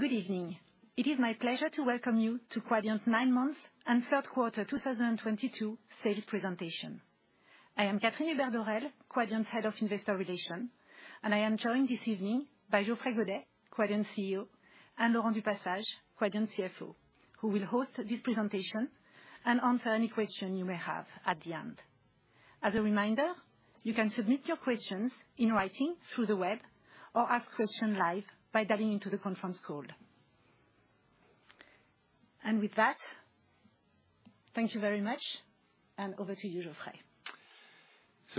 Good evening. It is my pleasure to welcome you to Quadient's nine-month and third quarter 2022 sales presentation. I am Catherine Hubert-Dorel, Quadient's Head of Investor Relations, and I am joined this evening by Geoffrey Godet, Quadient's CEO, and Laurent du Passage, Quadient's CFO, who will host this presentation and answer any question you may have at the end. As a reminder, you can submit your questions in writing through the web or ask question live by dialing into the conference call. And with that, thank you very much. And over to you, Geoffrey.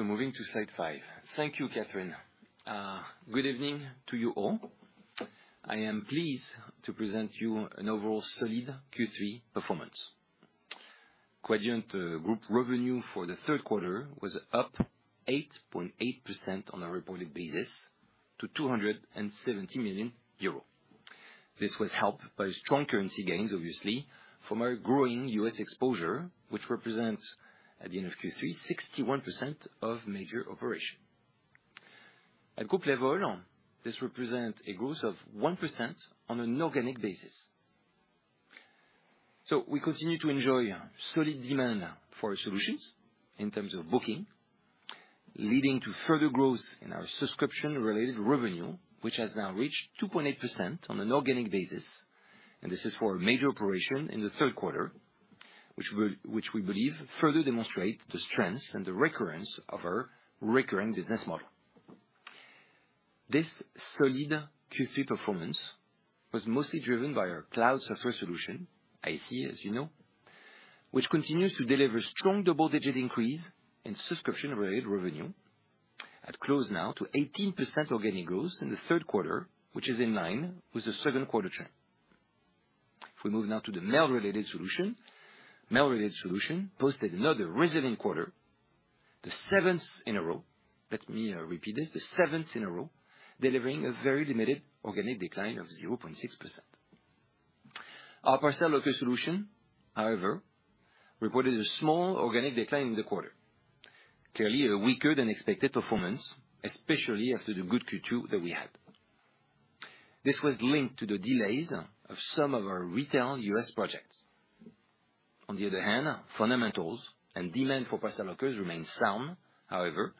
Moving to slide five. Thank you, Catherine. Good evening to you all. I am pleased to present you an overall solid Q3 performance. Quadient group revenue for the third quarter was up 8.8% on a reported basis to 270 million euro. This was helped by strong currency gains, obviously, from our growing U.S. exposure, which represents, at the end of Q3, 61% of major operation. At group level, this represent a growth of 1% on an organic basis. We continue to enjoy solid demand for our solutions in terms of booking, leading to further growth in our subscription-related revenue, which has now reached 2.8% on an organic basis. This is for a major operation in the third quarter, which will... which we believe further demonstrate the strengths and the recurrence of our recurring business model. This solid Q3 performance was mostly driven by our cloud software solution, ICA as you know, which continues to deliver strong double-digit increase in subscription-related revenue at close now to 18% organic growth in the third quarter, which is in line with the second quarter trend. If we move now to the Mail-Related Solutions. Mail-Related Solutions posted another resilient quarter, the seventh in a row. Let me repeat this, the seventh in a row, delivering a very limited organic decline of 0.6%. Our Parcel Locker Solutions, however, reported a small organic decline in the quarter. Clearly a weaker than expected performance, especially after the good Q2 that we had. This was linked to the delays of some of our retail U.S. projects. On the other hand, fundamentals and demand Parcel Locker remains sound, however,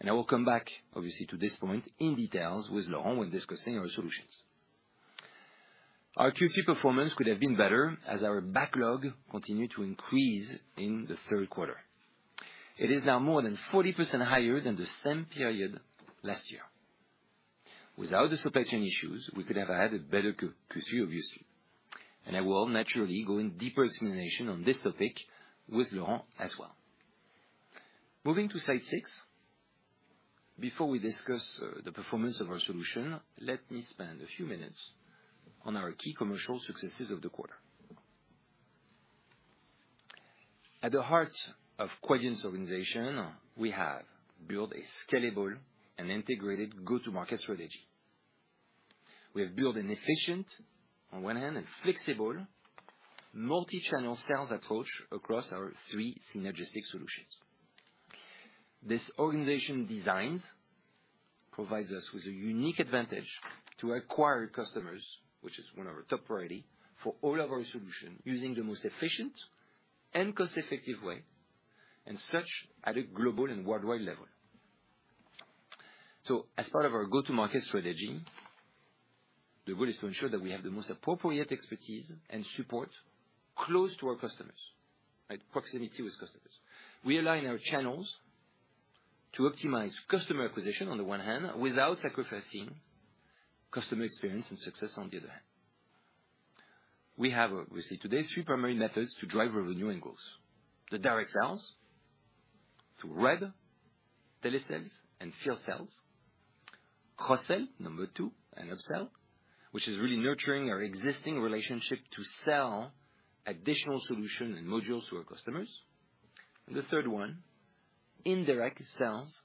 and I will come back obviously to this point in details with Laurent when discussing our solutions. Our Q3 performance could have been better as our backlog continued to increase in the third quarter. It is now more than 40% higher than the same period last year. Without the supply chain issues, we could have had a better Q3 obviously, and I will naturally go in deeper explanation on this topic with Laurent as well. Moving to slide six. Before we discuss the performance of our solution, let me spend a few minutes on our key commercial successes of the quarter. At the heart of Quadient's organization, we have built a scalable and integrated go-to-market strategy. We have built an efficient, on one hand, and flexible multi-channel sales approach across our three synergistic solutions. This organization designs provides us with a unique advantage to acquire customers, which is one of our top priority, for all of our solution, using the most efficient and cost-effective way, and such at a global and worldwide level. As part of our go-to-market strategy, the goal is to ensure that we have the most appropriate expertise and support close to our customers, right? Proximity with customers. We align our channels to optimize customer acquisition on the one hand, without sacrificing customer experience and success on the other hand. We have, obviously today, three primary methods to drive revenue and growth. The direct sales through web, telesales, and field sales. Cross-sell, number two, and upsell, which is really nurturing our existing relationship to sell additional solution and modules to our customers. The third one, indirect sales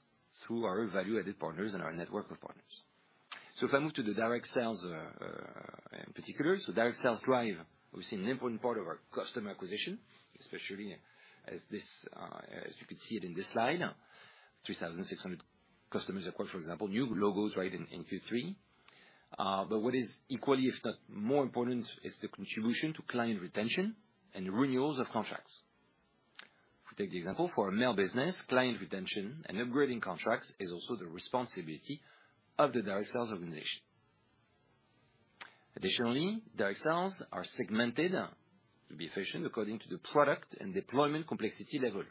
through our value-added partners and our network of partners. If I move to the direct sales in particular. Direct sales drive, obviously, an important part of our customer acquisition, especially as this, as you can see it in this slide, 3,600 customers acquired, for example, new logos right in Q3. What is equally, if not more important, is the contribution to client retention and renewals of contracts. If we take the example for our mail business, client retention and upgrading contracts is also the responsibility of the direct sales organization. Additionally, direct sales are segmented to be efficient according to the product and deployment complexity level.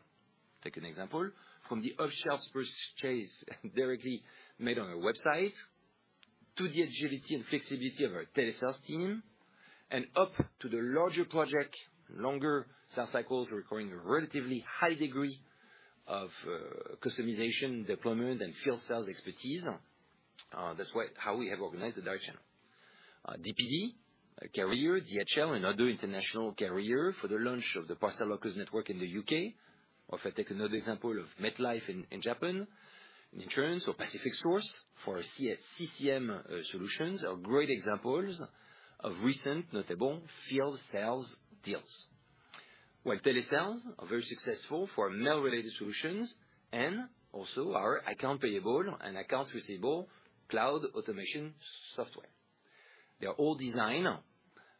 Take an example from the off-shelves purchase directly made on our website to the agility and flexibility of our telesales team and up to the larger project, longer sales cycles requiring a relatively high degree of customization, deployment, and field sales expertise. That's how we have organized the direct channel. DPD, a carrier, DHL and other international carrier for the launch of the Parcel Locker network in the U.K. If I take another example of MetLife in Japan, in insurance or PacificSource for CCM solutions are great examples of recent notable field sales deals. While telesales are very successful for Mail-Related Solutions and also our accounts payable and accounts receivable cloud automation software. They are all designed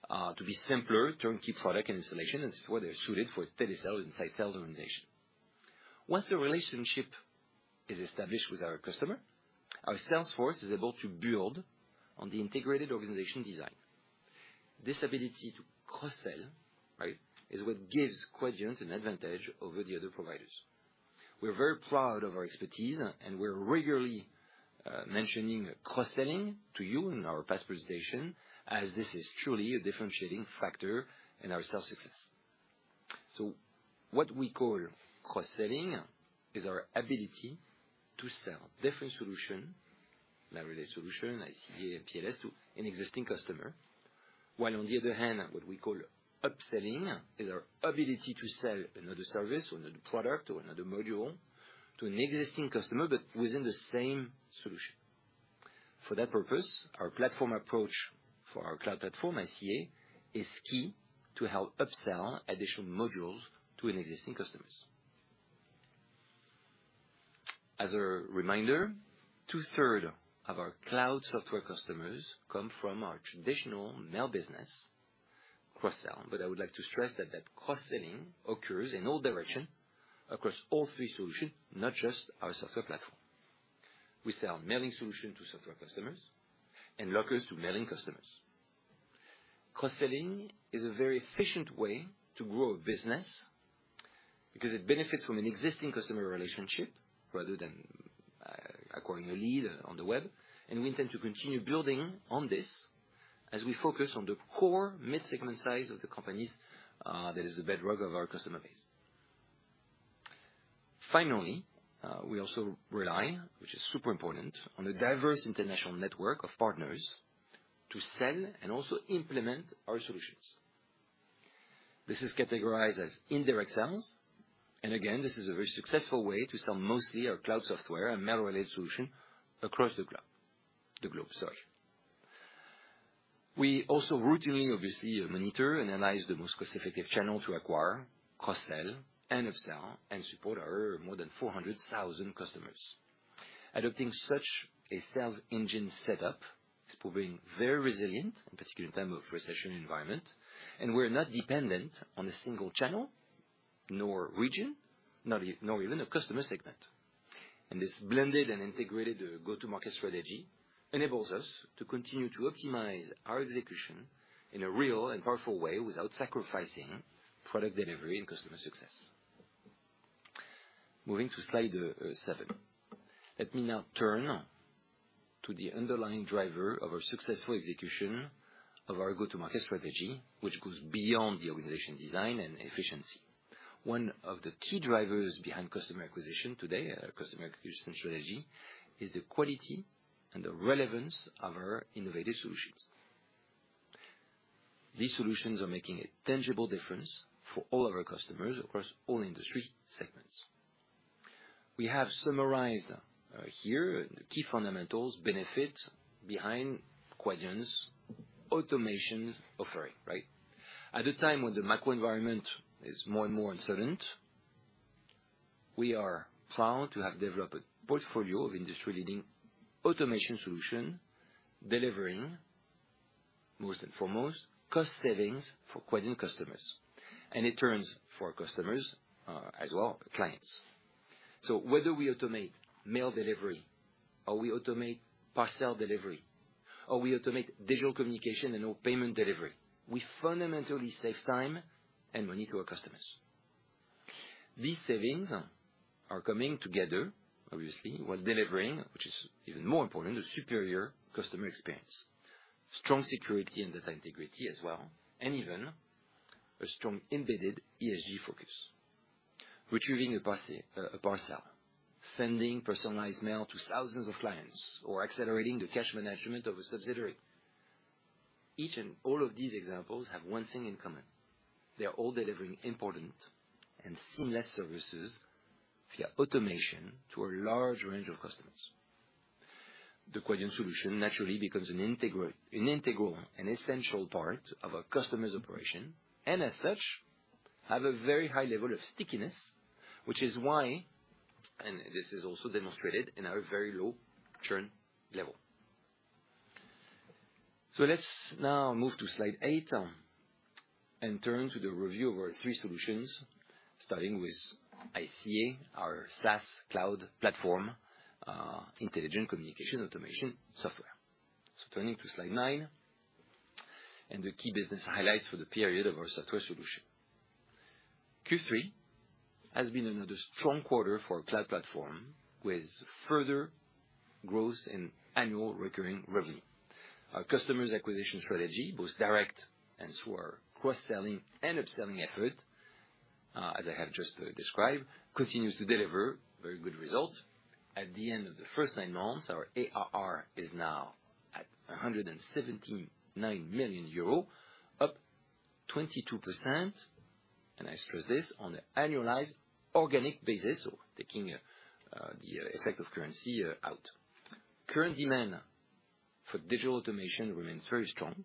to be simpler turnkey product and installation, and this is why they're suited for telesales inside sales organization. Once the relationship is established with our customer, our sales force is able to build on the integrated organization design. This ability to cross-sell, right, is what gives Quadient an advantage over the other providers. We're very proud of our expertise. We're regularly mentioning cross-selling to you in our past presentation as this is truly a differentiating factor in our sales success. What we call cross-selling is our ability to sell different solution, Mail-Related Solutions, ICA, and PLS to an existing customer. While on the other hand, what we call upselling is our ability to sell another service or another product or another module to an existing customer, but within the same solution. For that purpose, our platform approach for our cloud platform, ICA, is key to help upsell additional modules to an existing customers. As a reminder, 2/3 of our cloud software customers come from our traditional mail business cross-sell. I would like to stress that cross-selling occurs in all directions across all three solutions, not just our software platform. We sell mailing solution to software customers and lockers to mailing customers. Cross-selling is a very efficient way to grow a business because it benefits from an existing customer relationship rather than acquiring a lead on the web. We intend to continue building on this as we focus on the core mid-segment size of the companies, that is the bedrock of our customer base. Finally, we also rely, which is super important, on a diverse international network of partners to sell and also implement our solutions. This is categorized as indirect sales, again, this is a very successful way to sell mostly our cloud software and Mail-Related Solutions across the globe. We also routinely, obviously, monitor, analyze the most cost-effective channel to acquire, cross-sell, and upsell and support our more than 400,000 customers. Adopting such a sales engine setup is proving very resilient, in particular in time of recession environment, we're not dependent on a single channel nor region, nor even a customer segment. This blended and integrated go-to-market strategy enables us to continue to optimize our execution in a real and powerful way without sacrificing product delivery and customer success. Moving to slide seven. Let me now turn to the underlying driver of our successful execution of our go-to-market strategy, which goes beyond the organization design and efficiency. One of the key drivers behind customer acquisition today, customer acquisition strategy, is the quality and the relevance of our innovative solutions. These solutions are making a tangible difference for all of our customers across all industry segments. We have summarized, here the key fundamentals benefit behind Quadient's automations offering, right? At a time when the macro environment is more and more uncertain, we are proud to have developed a portfolio of industry-leading automation solution, delivering, first and foremost, cost savings for Quadient customers, and in turn for our customers, as well, clients. Whether we automate mail delivery or we automate parcel delivery, or we automate digital communication and/or payment delivery, we fundamentally save time and money to our customers. These savings are coming together, obviously, while delivering, which is even more important, a superior customer experience. Strong security and data integrity as well. Even a strong embedded ESG focus. Retrieving a parcel, sending personalized mail to thousands of clients, or accelerating the cash management of a subsidiary. Each and all of these examples have one thing in common. They are all delivering important and seamless services via automation to a large range of customers. The Quadient solution naturally becomes an integral and essential part of a customer's operation. As such, have a very high level of stickiness, which is why. This is also demonstrated in our very low churn level. Let's now move to slide eight and turn to the review of our three solutions, starting with ICA, our SaaS cloud platform, Intelligent Communication Automation software. Turning to slide nine, and the key business highlights for the period of our software solution. Q3 has been another strong quarter for our cloud platform, with further growth in annual recurring revenue. Our customers' acquisition strategy, both direct and through our cross-selling and upselling effort, as I have just described, continues to deliver very good results. At the end of the first nine months, our ARR is now at 179 million euros, up 22%, and I stress this, on the annualized organic basis, so taking the effect of currency out. Current demand for digital automation remains very strong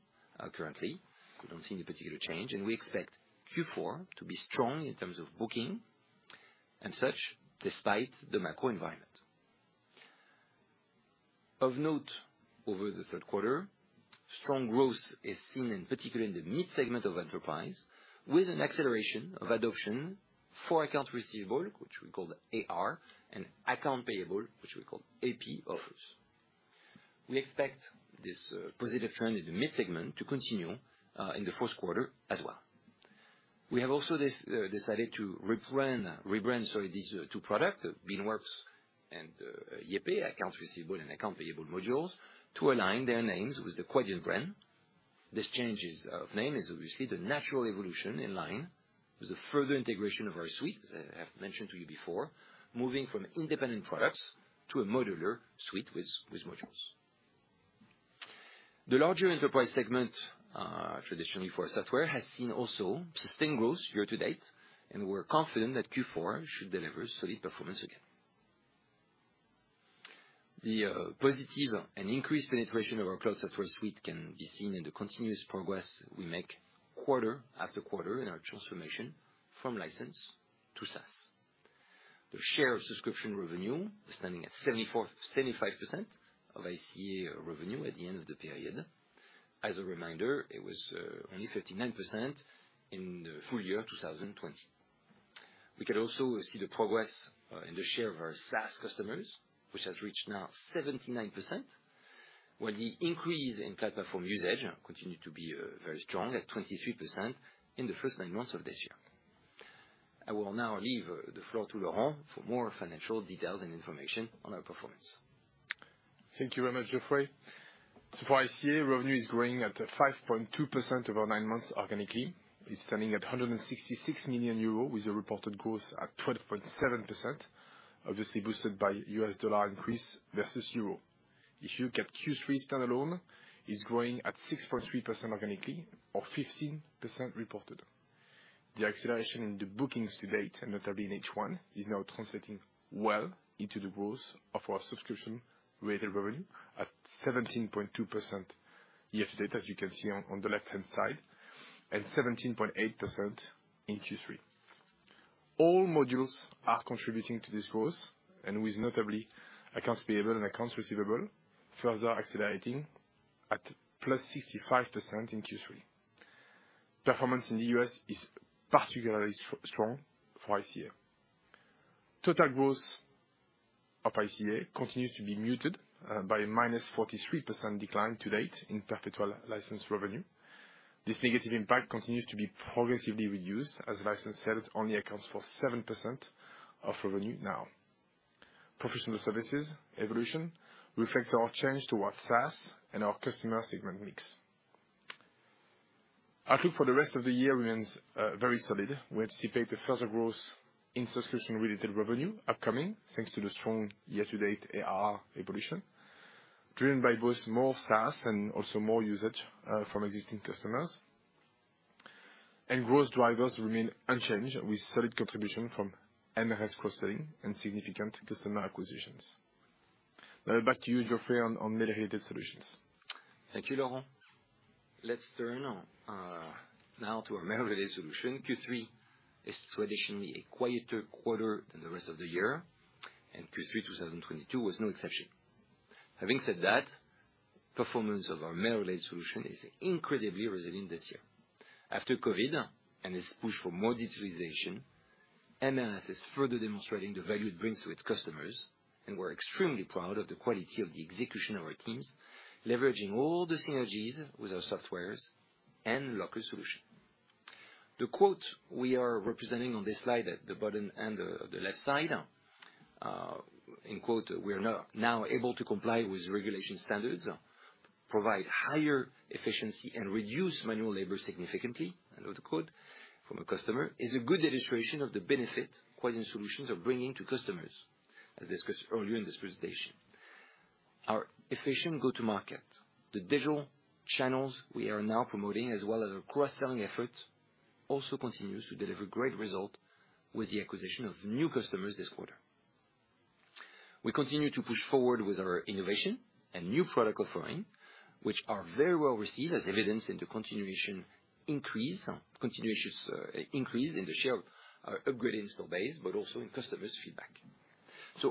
currently. We don't see any particular change, and we expect Q4 to be strong in terms of booking and such, despite the macro environment. Of note, over the third quarter, strong growth is seen in particular in the mid segment of enterprise, with an acceleration of adoption for accounts receivable, which we call AR, and accounts payable, which we call AP offers. We expect this positive trend in the mid segment to continue in the first quarter as well. We have also decided to rebrand, sorry, these two products, Beanworks and YayPay accounts receivable and accounts payable modules, to align their names with the Quadient brand. This changes of name is obviously the natural evolution in line with the further integration of our suites, as I have mentioned to you before, moving from independent products to a modular suite with modules. The larger enterprise segment, traditionally for software, has seen also sustained growth year to date, and we're confident that Q4 should deliver solid performance again. The positive and increased penetration of our cloud software suite can be seen in the continuous progress we make quarter after quarter in our transformation from license to SaaS. The share of subscription revenue is standing at 75% of ICA revenue at the end of the period. As a reminder, it was only 59% in the full year of 2020. We could also see the progress in the share of our SaaS customers, which has reached now 79%. While the increase in cloud platform usage continued to be very strong at 23% in the first nine months of this year. I will now leave the floor to Laurent for more financial details and information on our performance. Thank you very much, Geoffrey. For ICA, revenue is growing at 5.2% over nine months organically. It's standing at 166 million euros with a reported growth at 12.7%, obviously boosted by U.S. dollar increase versus euro. If you look at Q3 stand alone, it's growing at 6.3% organically or 15% reported. The acceleration in the bookings to date, and notably in H1, is now translating well into the growth of our subscription rate of revenue at 17.2% year-to-date, as you can see on the left-hand side, and 17.8% in Q3. All modules are contributing to this growth, and with notably accounts payable and accounts receivable further accelerating at +65% in Q3. Performance in the U.S. is particularly strong for ICA. Total growth of ICA continues to be muted by a -43% decline to date in perpetual license revenue. This negative impact continues to be progressively reduced as license sales only accounts for 7% of revenue now. Professional services evolution reflects our change towards SaaS and our customer segment mix. Our truth for the rest of the year remains very solid. We anticipate the further growth in subscription-related revenue upcoming, thanks to the strong year-to-date AR evolution, driven by both more SaaS and also more usage from existing customers. Growth drivers remain unchanged with solid contribution from MRS cross-selling and significant customer acquisitions. Back to you, Geoffrey, on Mail-Related Solutions. Thank you, Laurent. Let's turn now to our Mail-Related Solutions. Q3 is traditionally a quieter quarter than the rest of the year, Q3 2022 was no exception. Having said that, performance of our Mail-Related Solutions is incredibly resilient this year. After COVID and its push for more digitalization, MRS is further demonstrating the value it brings to its customers, and we're extremely proud of the quality of the execution of our teams, leveraging all the synergies with our softwares and local solution. The quote we are representing on this slide at the bottom and the left side, "We are now able to comply with regulation standards, provide higher efficiency, and reduce manual labor significantly," end of the quote from a customer, is a good illustration of the benefit Quadient solutions are bringing to customers, as discussed earlier in this presentation. Our efficient go-to-market, the digital channels we are now promoting, as well as our cross-selling effort, also continues to deliver great result with the acquisition of new customers this quarter. We continue to push forward with our innovation and new product offering, which are very well received as evidence in the continuation increase, continuous increase in the share of our upgraded install base, but also in customers' feedback.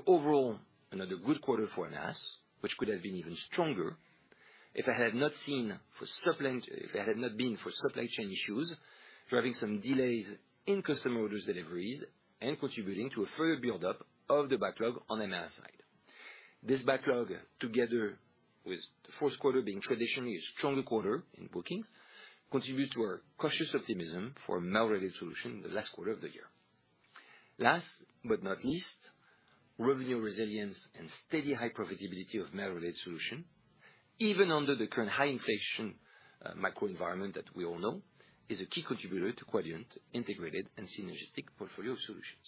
Overall, another good quarter for MRS, which could have been even stronger if it had not been for supply chain issues driving some delays in customer orders deliveries and contributing to a further build-up of the backlog on MRS side. This backlog, together with the fourth quarter being traditionally a stronger quarter in bookings, contribute to our cautious optimism for Mail-Related Solutions the last quarter of the year. Last but not least, revenue resilience and steady high profitability of Mail-Related solution, even under the current high inflation, macro environment that we all know, is a key contributor to Quadient integrated and synergistic portfolio of solutions.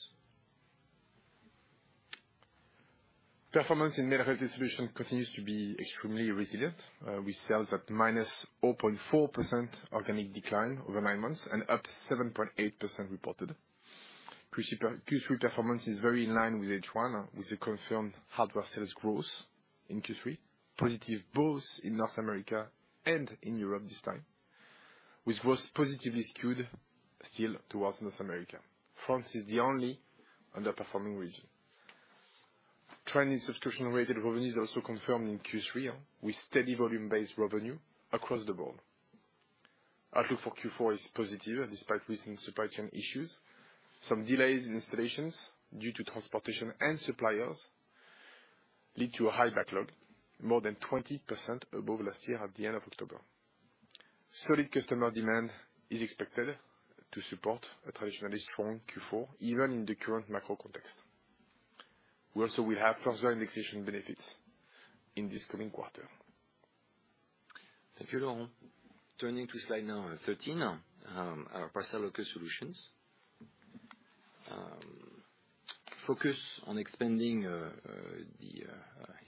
Performance in Mail-Related Solutions continues to be extremely resilient, with sales at -0.4% organic decline over nine months and up 7.8% reported. Q3 performance is very in line with H1, with the confirmed hardware sales growth in Q3. Positive both in North America and in Europe this time, which was positively skewed still towards North America. France is the only underperforming region. Trend in subscription-related revenue is also confirmed in Q3, with steady volume-based revenue across the board. Outlook for Q4 is positive despite recent supply chain issues. Some delays in installations due to transportation and suppliers lead to a high backlog, more than 20% above last year at the end of October. Solid customer demand is expected to support a traditionally strong Q4, even in the current macro context. We also will have further indexation benefits in this coming quarter. Thank you, Laurent. Turning to slide number 13, our Parcel Locker Solutions. Focus on expanding the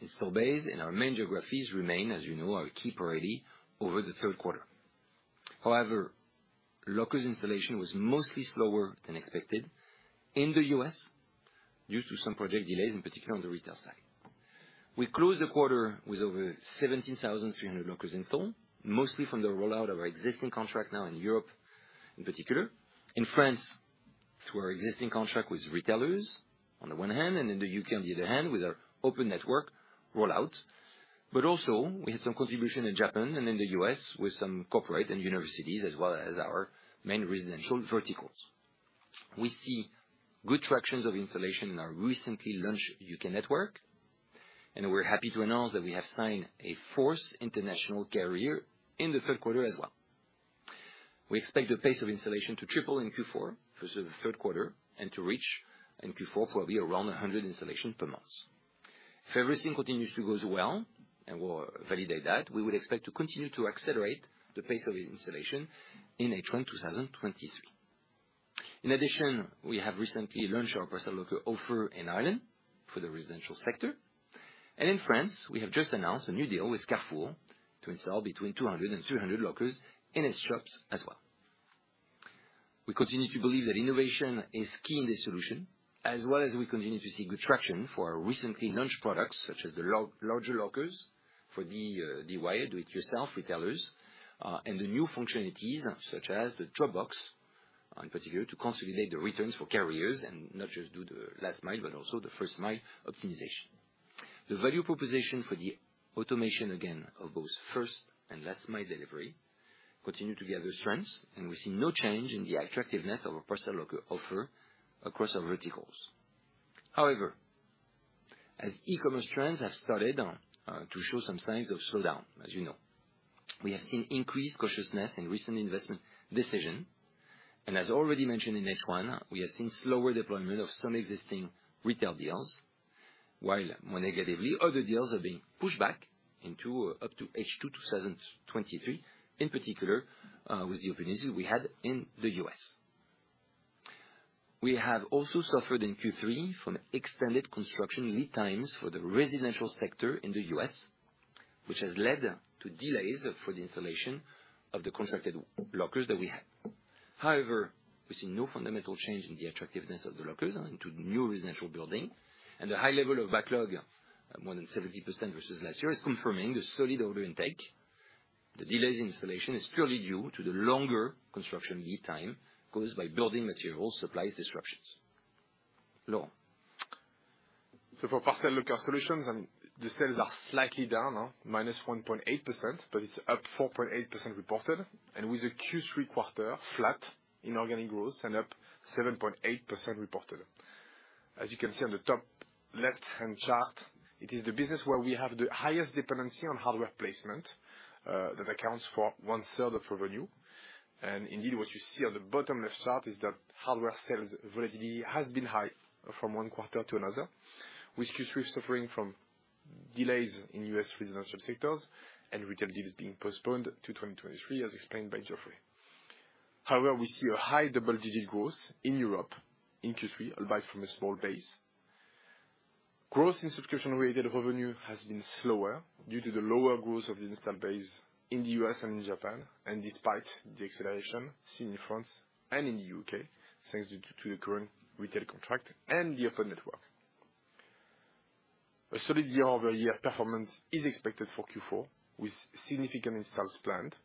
install base in our main geographies remain, as you know, our key priority over the third quarter. However, lockers installation was mostly slower than expected in the U.S. due to some project delays, in particular on the retail side. We closed the quarter with over 17,300 lockers installed, mostly from the rollout of our existing contract now in Europe, in particular. In France, through our existing contract with retailers on the one hand, and in the U.K. on the other hand, with our open network rollout. We had some contribution in Japan and in the U.S. with some corporate and universities, as well as our main residential verticals. We see good tractions of installation in our recently launched U.K. network, and we're happy to announce that we have signed a fourth international carrier in the third quarter as well. We expect the pace of installation to triple in Q4 versus the third quarter, to reach in Q4 probably around 100 installation per month. If everything continues to goes well, we'll validate that, we would expect to continue to accelerate the pace of the installation in H1 2023. In addition, we have recently launched our Parcel Locker offer in Ireland for the residential sector. In France, we have just announced a new deal with Carrefour to install between 200 and 300 lockers in its shops as well. We continue to believe that innovation is key in the solution, as well as we continue to see good traction for our recently launched products, such as the larger lockers for the DIY, do it yourself retailers, and the new functionalities such as the Drop Box, in particular to consolidate the returns for carriers and not just do the last mile, but also the first mile optimization. The value proposition for the automation, again of both first and last mile delivery, continue to gather strength, and we see no change in the attractiveness of our Parcel Locker Solutions offer across our verticals. However, as e-commerce trends have started to show some signs of slowdown, as you know, we have seen increased cautiousness in recent investment decision. As already mentioned in H1, we have seen slower deployment of some existing retail deals. More negatively, other deals have been pushed back into up to H2 2023, in particular, with the openings we had in the U.S. We have also suffered in Q3 from extended construction lead times for the residential sector in the U.S., which has led to delays for the installation of the constructed lockers that we had. We see no fundamental change in the attractiveness of the lockers into new residential building, and the high level of backlog, at more than 70% versus last year, is confirming the solid order intake. The delays in installation is purely due to the longer construction lead time caused by building material supplies disruptions. Laurent. For Parcel Locker Solutions, the sales are slightly down, -1.8%, but it's up 4.8% reported. With a Q3 quarter flat in organic growth and up 7.8% reported. As you can see on the top left-hand chart, it is the business where we have the highest dependency on hardware placement, that accounts for 1/3 of revenue. Indeed, what you see on the bottom left chart is that hardware sales volatility has been high from one quarter to another, with Q3 suffering from delays in U.S. residential sectors and retail deals being postponed to 2023, as explained by Geoffrey. However, we see a high double-digit growth in Europe in Q3, albeit from a small base. Growth in subscription-related revenue has been slower due to the lower growth of the install base in the U.S. and in Japan, despite the acceleration seen in France and in the U.K., thanks due to the current retail contract and the open network. A solid year-over-year performance is expected for Q4 with significant installs planned.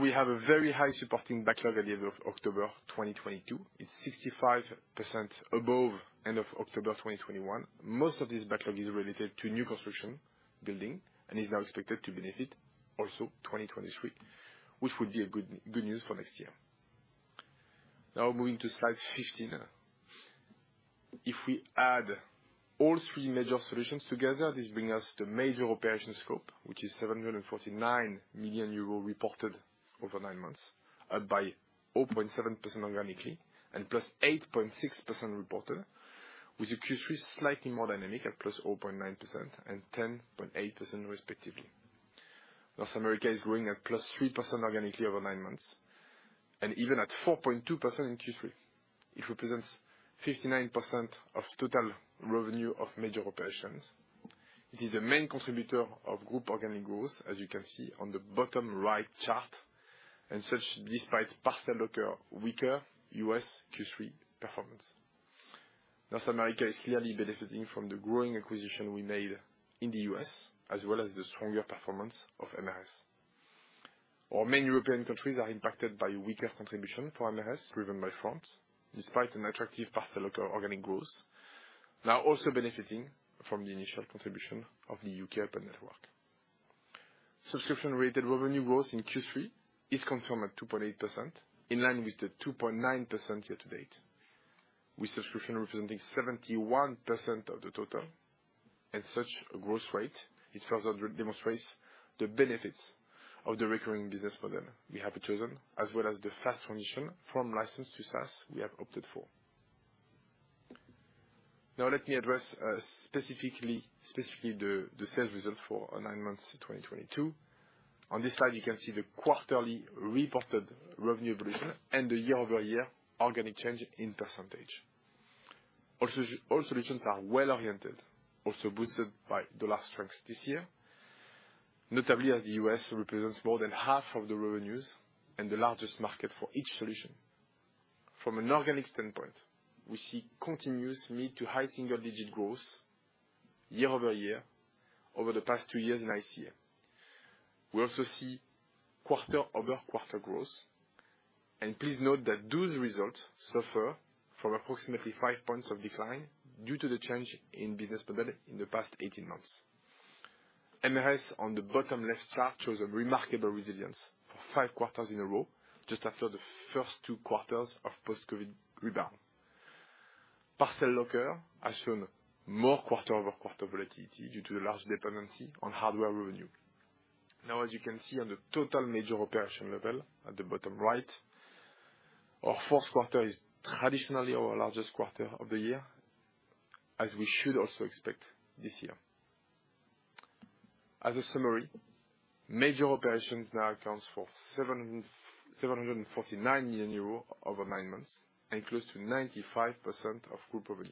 We have a very high supporting backlog at the end of October 2022. It's 65% above end of October 2021. Most of this backlog is related to new construction building and is now expected to benefit also 2023, which would be good news for next year. Moving to slide 15. If we add all three major solutions together, this bring us the major operation scope, which is 749 million euro reported over nine months, up by 0.7% organically and +8.6% reported, with the Q3 slightly more dynamic at +0.9% and 10.8% respectively. North America is growing at +3% organically over nine months and even at 4.2% in Q3. It represents 59% of total revenue of major operations. It is the main contributor of group organic growth, as you can see on the bottom right chart. Such, despite Parcel Locker weaker U.S. Q3 performance. North America is clearly benefiting from the growing acquisition we made in the U.S., as well as the stronger performance of MRS. Our main European countries are impacted by weaker contribution for MRS, driven by France, despite an attractive Parcel Locker organic growth, now also benefiting from the initial contribution of the U.K. open network. Subscription-related revenue growth in Q3 is confirmed at 2.8%, in line with the 2.9% year-to-date, with subscription representing 71% of the total. At such a growth rate, it further demonstrates the benefits of the recurring business model we have chosen, as well as the fast transition from license to SaaS we have opted for. Now let me address specifically the sales result for nine months 2022. On this slide, you can see the quarterly reported revenue evolution and the year-over-year organic change in percentage. All solutions are well-oriented, also boosted by dollar strengths this year, notably as the U.S. represents more than half of the revenues and the largest market for each solution. From an organic standpoint, we see continuous mid-to-high single digit growth year-over-year over the past two years and next year. We also see quarter-over-quarter growth. Please note that those results suffer from approximately five points of decline due to the change in business model in the past 18 months. MRS on the bottom left chart shows a remarkable resilience for five quarters in a row, just after the first two quarters of post-COVID rebound. Parcel Locker has shown more quarter-over-quarter volatility due to the large dependency on hardware revenue. Now as you can see on the total major operation level at the bottom right, our fourth quarter is traditionally our largest quarter of the year, as we should also expect this year. As a summary, major operations now accounts for 749 million euros over nine months and close to 95% of group revenue.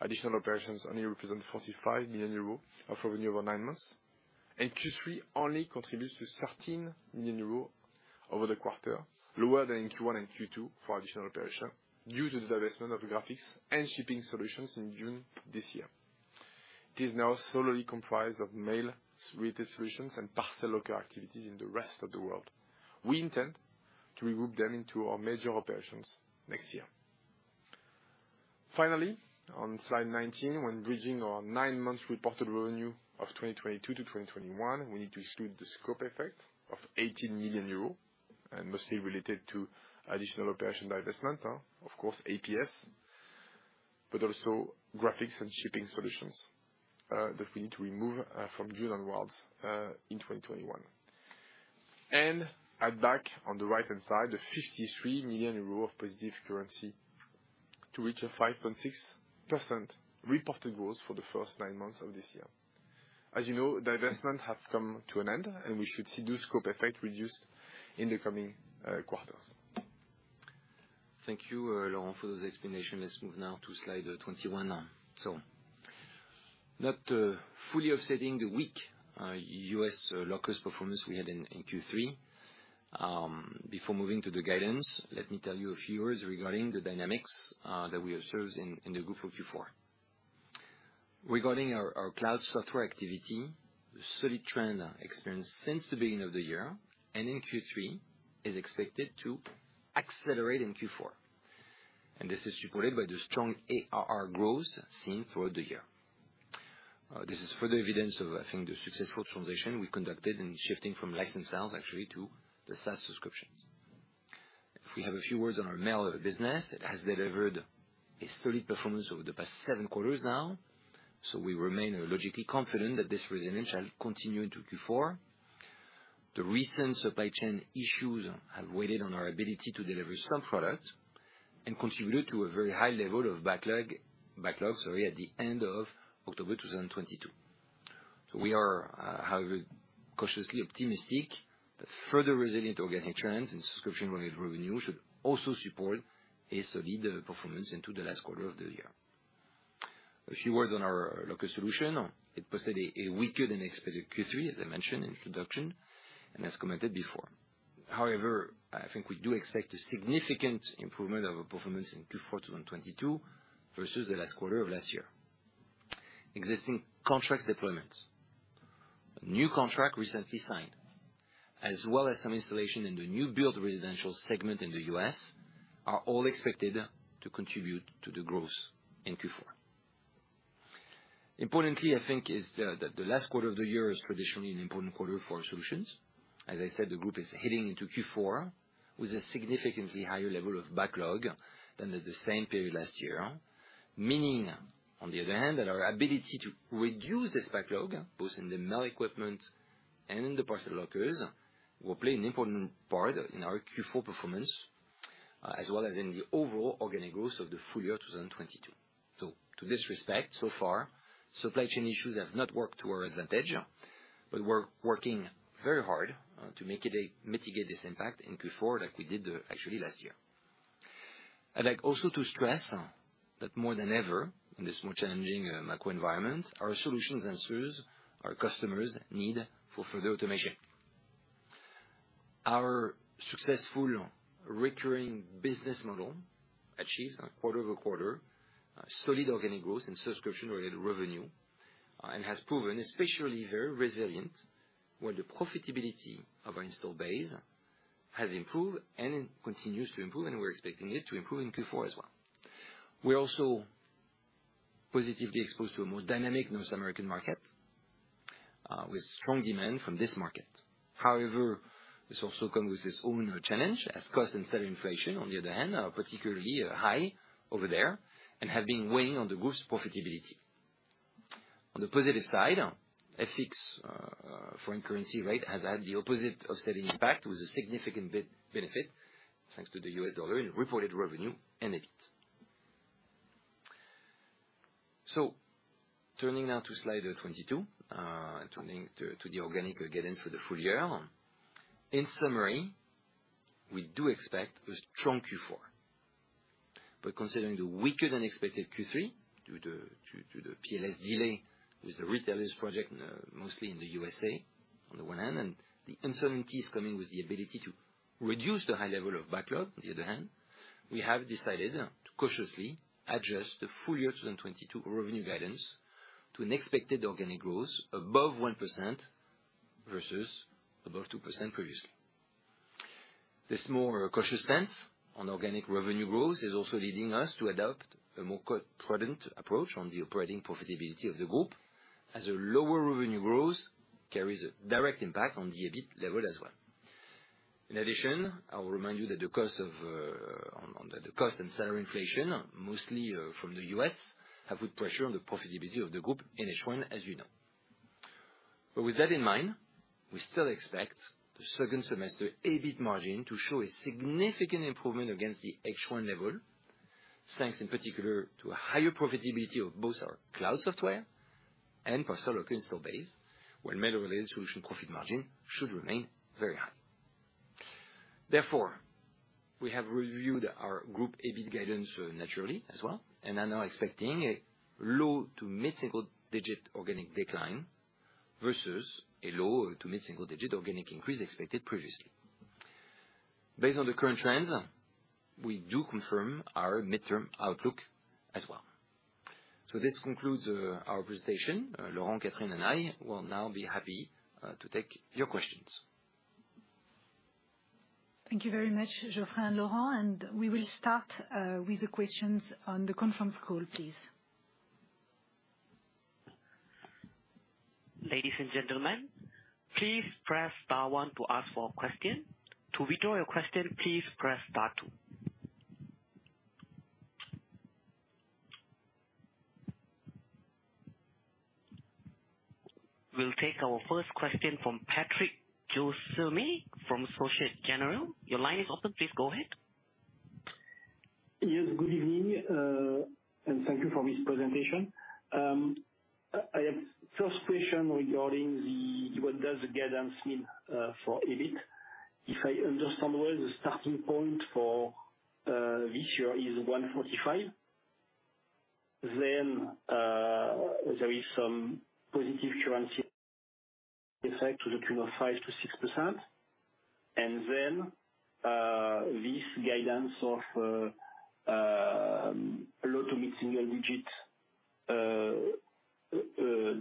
Additional operations only represent 45 million euros of revenue over nine months. Q3 only contributes to 13 million euros over the quarter, lower than in Q1 and Q2 for additional operation due to the divestment of graphics and shipping solutions in June this year. It is now solely comprised of Mail-Related Solutions and parcel activities in the rest of the world. We intend to regroup them into our major operations next year. Finally, on slide 19, when bridging our nine months reported revenue of 2022 to 2021, we need to exclude the scope effect of 80 million euros and mostly related to additional operation divestment. Of course, APS, but also graphics and shipping solutions, that we need to remove from June onwards in 2021. Add back on the right-hand side, the 53 million euro of positive currency to reach a 5.6% reported growth for the first nine months of this year. As you know, divestment has come to an end, and we should see this scope effect reduced in the coming quarters. Thank you, Laurent, for those explanations. Let's move now to slide 21. Not fully offsetting the weak U.S. lockers performance we had in Q3. Before moving to the guidance, let me tell you a few words regarding the dynamics that we observe in the group of Q4. Regarding our cloud software activity, the solid trend experienced since the beginning of the year and in Q3 is expected to accelerate in Q4, and this is supported by the strong ARR growth seen throughout the year. This is further evidence of, I think, the successful transition we conducted in shifting from licensed sales actually to the SaaS subscriptions. If we have a few words on our mail business, it has delivered a solid performance over the past seven quarters now, so we remain logically confident that this resilience shall continue into Q4. The recent supply chain issues have weighed in on our ability to deliver some products and contributed to a very high level of backlog, sorry, at the end of October 2022. We are, however, cautiously optimistic that further resilient organic trends and subscription-related revenue should also support a solid performance into the last quarter of the year. A few words on our Locker Solution. It posted a weaker than expected Q3, as I mentioned in introduction and as commented before. However, I think we do expect a significant improvement of our performance in Q4 2022 versus the last quarter of last year. Existing contracts deployments, new contract recently signed, as well as some installation in the new build residential segment in the U.S., are all expected to contribute to the growth in Q4. Importantly, I think is the last quarter of the year is traditionally an important quarter for our solutions. As I said, the group is heading into Q4 with a significantly higher level of backlog than at the same period last year. Meaning, on the other hand, that our ability to reduce this backlog, both in the mail equipment and in the Parcel Locker, will play an important part in our Q4 performance, as well as in the overall organic growth of the full year 2022. To this respect, so far, supply chain issues have not worked to our advantage. We're working very hard to mitigate this impact in Q4 like we did actually last year. I'd like also to stress that more than ever, in this more challenging macro environment, our solutions answers our customers need for further automation. Our successful recurring business model achieves a quarter-over-quarter a solid organic growth in subscription-related revenue, and has proven especially very resilient, where the profitability of our install base has improved and continues to improve, and we're expecting it to improve in Q4 as well. We're also positively exposed to a more dynamic North American market, with strong demand from this market. However, this also come with its own challenge, as cost and sell inflation on the other hand are particularly high over there and have been weighing on the group's profitability. On the positive side, FX, foreign currency rate has had the opposite of setting impact with a significant benefit thanks to the U.S. dollar in reported revenue and EBIT. Turning now to slide 22, turning to the organic guidance for the full year. In summary, we do expect a strong Q4. Considering the weaker than expected Q3, due to the PLS delay with the retailers project, mostly in the U.S.A. on the one hand, and the uncertainties coming with the ability to reduce the high level of backlog on the other hand, we have decided to cautiously address the full-year 2022 revenue guidance to an expected organic growth above 1% versus above 2% previously. This more cautious stance on organic revenue growth is also leading us to adopt a more prudent approach on the operating profitability of the group, as a lower revenue growth carries a direct impact on the EBIT level as well. In addition, I will remind you that the cost of the cost and salary inflation, mostly from the U.S., have put pressure on the profitability of the group in H1, as you know. With that in mind, we still expect the second semester EBIT margin to show a significant improvement against the H1 level, thanks in particular to a higher profitability of both our cloud software and parcel or install base, where Mail-Related Solutions profit margin should remain very high. We have reviewed our group EBIT guidance naturally as well, and are now expecting a low to mid-single digit organic decline versus a low to mid-single digit organic increase expected previously. Based on the current trends, we do confirm our midterm outlook as well. This concludes our presentation. Laurent, Catherine, and I will now be happy to take your questions. Thank you very much, Geoffrey and Laurent. We will start with the questions on the conference call, please. Ladies and gentlemen, please press star one to ask for question. To withdraw your question, please press star two. We'll take our first question from Patrick Jousseaume from Société Générale. Your line is open. Please go ahead. Yes, good evening. Thank you for this presentation. I have first question regarding the, what does the guidance mean for EBIT? If I understand well, the starting point for this year is 145. There is some positive currency effect to the tune of 5%-6%. This guidance of low to mid-single digit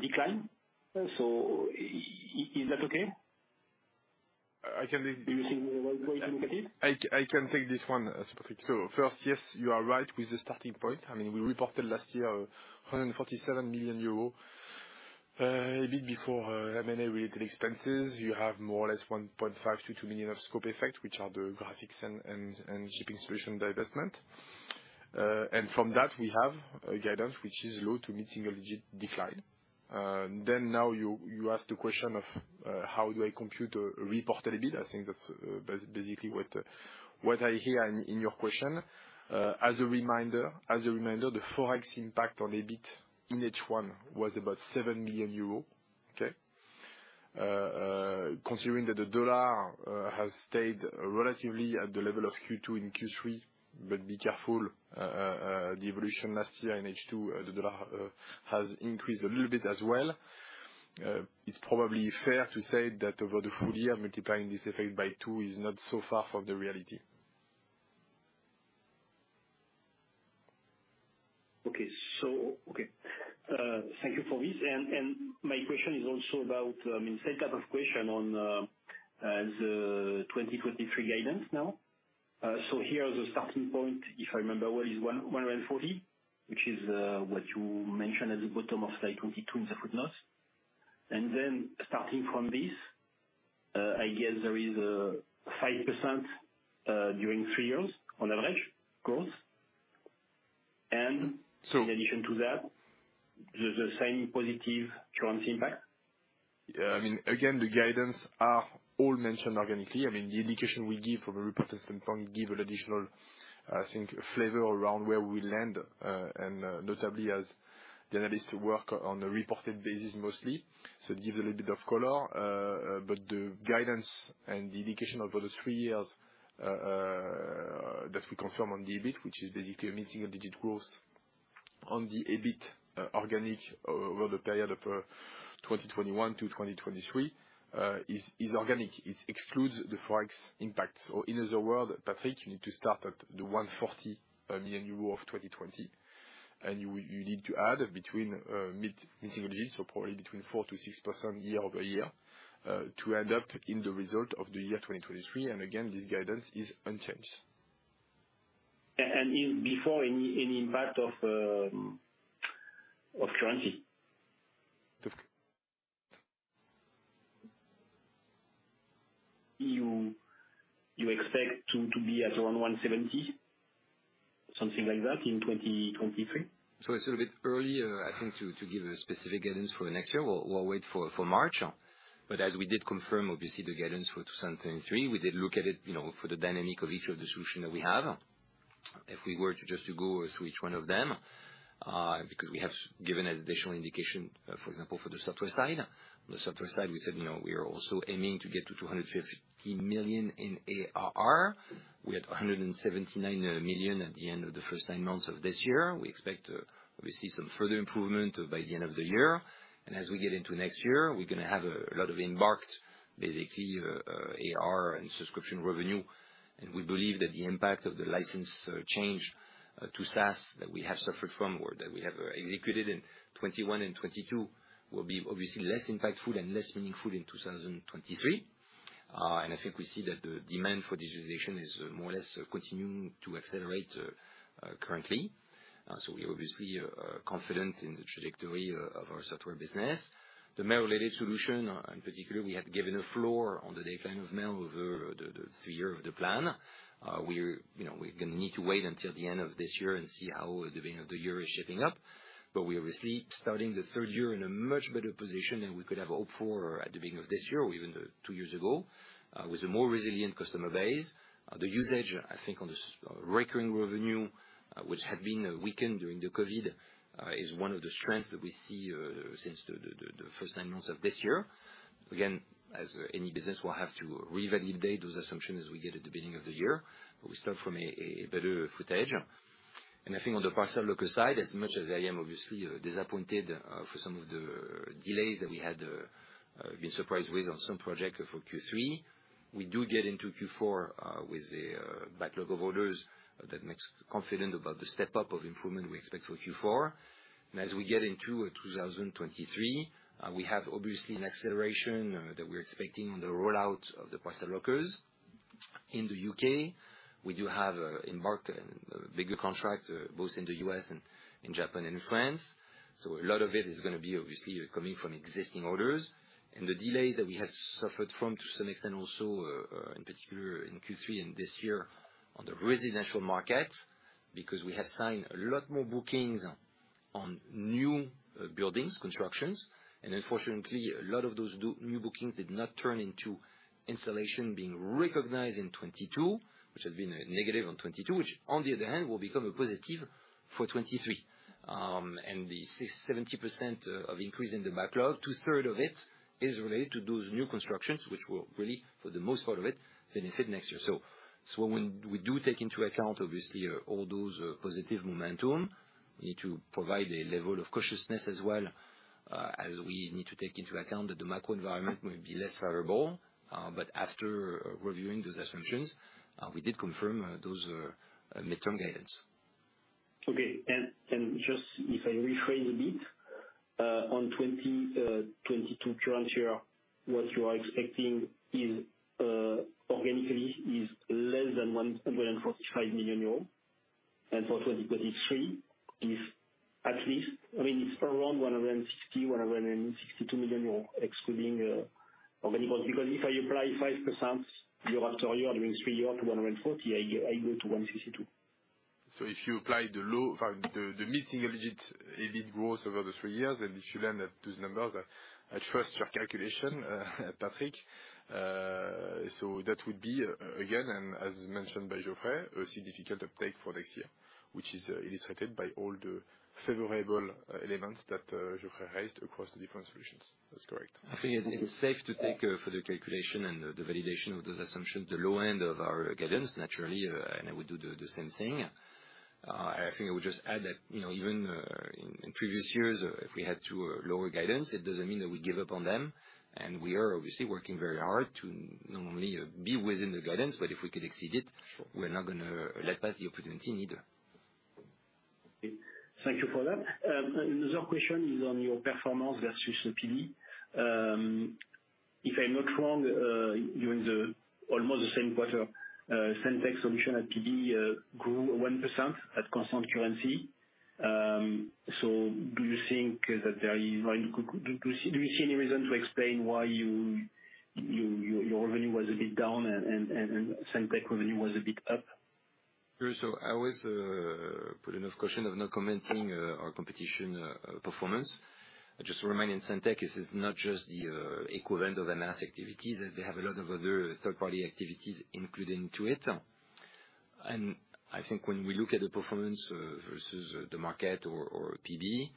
decline. Is that okay? I can take- Do you think the right way to look at it? I can take this one, Patrick. First, yes, you are right with the starting point. I mean, we reported last year 147 million euro EBIT before M&A related expenses. You have more or less 1.5 million-2 million of scope effect, which are the graphics and shipping solution divestment. From that we have a guidance which is low to mid-single digit decline. Now you ask the question of how do I compute a reported EBIT. I think that's basically what I hear in your question. As a reminder, the Forex impact on EBIT in H1 was about 7 million euros. Okay? Considering that the dollar has stayed relatively at the level of Q2 and Q3, but be careful, the evolution last year in H2, the dollar has increased a little bit as well. It's probably fair to say that over the full year, multiplying this effect by two is not so far from the reality. Okay. Thank you for this. My question is also about, I mean, same type of question on the 2023 guidance now. Here the starting point, if I remember well, is 140, which is what you mentioned at the bottom of slide 22 in the footnotes. Starting from this, I guess there is 5% during three years on average growth. So- In addition to that, the same positive currency impact? Again, the guidance are all mentioned organically. The indication we give from a reported standpoint give an additional, I think, flavor around where we land. Notably as the analysts work on a reported basis mostly, it gives a little bit of color. But the guidance and the indication over the three years that we confirm on the EBIT, which is basically a mid-single digit growth on the EBIT, organic over the period of 2021 to 2023, is organic. It excludes the forex impact. In other words, Patrick, you need to start at the 140 million euro of 2020, and you need to add between mid-single digits, probably between 4% to 6% year-over-year, to end up in the result of the year 2023. Again, this guidance is unchanged. Before any impact of currency. The- You expect to be at around 170, something like that in 2023? It's a little bit early, I think to give a specific guidance for the next year. We'll wait for March. As we did confirm, obviously, the guidance for 2023, we did look at it, you know, for the dynamic of each of the solution that we have. If we were to just to go through each one of them, because we have given additional indication, for example, for the software side. The software side, we said, you know, we are also aiming to get to 250 million in ARR. We had 179 million at the end of the first nine months of this year. We expect, obviously some further improvement by the end of the year. As we get into next year, we're gonna have a lot of embarked, basically, ARR and subscription revenue. We believe that the impact of the license change to SaaS that we have suffered from or that we have executed in 2021 and 2022 will be obviously less impactful and less meaningful in 2023. I think we see that the demand for digitization is more or less continuing to accelerate currently. We're obviously confident in the trajectory of our software business. The Mail-Related Solution in particular, we had given a floor on the decline of mail over the three-year of the plan. We're, you know, we're gonna need to wait until the end of this year and see how the beginning of the year is shaping up. We're obviously starting the third year in a much better position than we could have hoped for at the beginning of this year or even two years ago, with a more resilient customer base. The usage, I think, on this recurring revenue, which had been weakened during the COVID, is one of the strengths that we see since the first nine months of this year. Again, as any business, we'll have to revalidate those assumptions as we get at the beginning of the year. We start from a better footage. I think on the Parcel Locker side, as much as I am obviously disappointed, for some of the delays that we had, been surprised with on some project for Q3, we do get into Q4, with a backlog of orders that makes confident about the step-up of improvement we expect for Q4. As we get into 2023, we have obviously an acceleration, that we're expecting on the rollout of the Parcel Locker. In the U.K., we do have a embark, bigger contract, both in the U.S. and in Japan and France. A lot of it is gonna be obviously coming from existing orders. The delays that we have suffered from to some extent also, in particular in Q3 and this year on the residential market, because we have signed a lot more bookings on new buildings, constructions. Unfortunately, a lot of those new bookings did not turn into installation being recognized in 2022, which has been a negative on 2022, which on the other hand, will become a positive for 2023. The 70% of increase in the backlog, 2/3 of it is related to those new constructions, which will really, for the most part of it, benefit next year. When we do take into account, obviously, all those positive momentum, we need to provide a level of cautiousness as well, as we need to take into account that the macro environment will be less favorable. After reviewing those assumptions, we did confirm, those, midterm guidance. Okay. Just if I rephrase a bit, on 2022 current year, what you are expecting is, organically is less than 145 million euros. For 2023 is at least, I mean, it's around 160 million-162 million euros excluding, organic growth. If I apply 5% year after year during three-year to 140 million, I go to 152 million. If you apply the mid-single digit EBIT growth over the three years, and if you land at those numbers, I trust your calculation, Patrick. That would be again, and as mentioned by Geoffrey, a significant uptake for next year, which is illustrated by all the favorable elements that Geoffrey raised across the different solutions. That's correct. I think it is safe to take for the calculation and the validation of those assumptions, the low end of our guidance, naturally, and I would do the same thing. I think I would just add that, you know, even in previous years, if we had to lower guidance, it doesn't mean that we give up on them. We are obviously working very hard to not only be within the guidance, but if we could exceed it, we're not gonna let pass the opportunity either. Thank you for that. Another question is on your performance versus PB. If I'm not wrong, during the almost the same quarter, SendTech Solutions at PB grew 1% at constant currency. Do you see any reason to explain why your revenue was a bit down and SendTech revenue was a bit up? Sure. I always put enough caution of not commenting our competition performance. I just remind in SendTech, this is not just the equivalent of a mass activities. They have a lot of other third-party activities included into it. I think when we look at the performance versus the market or PB,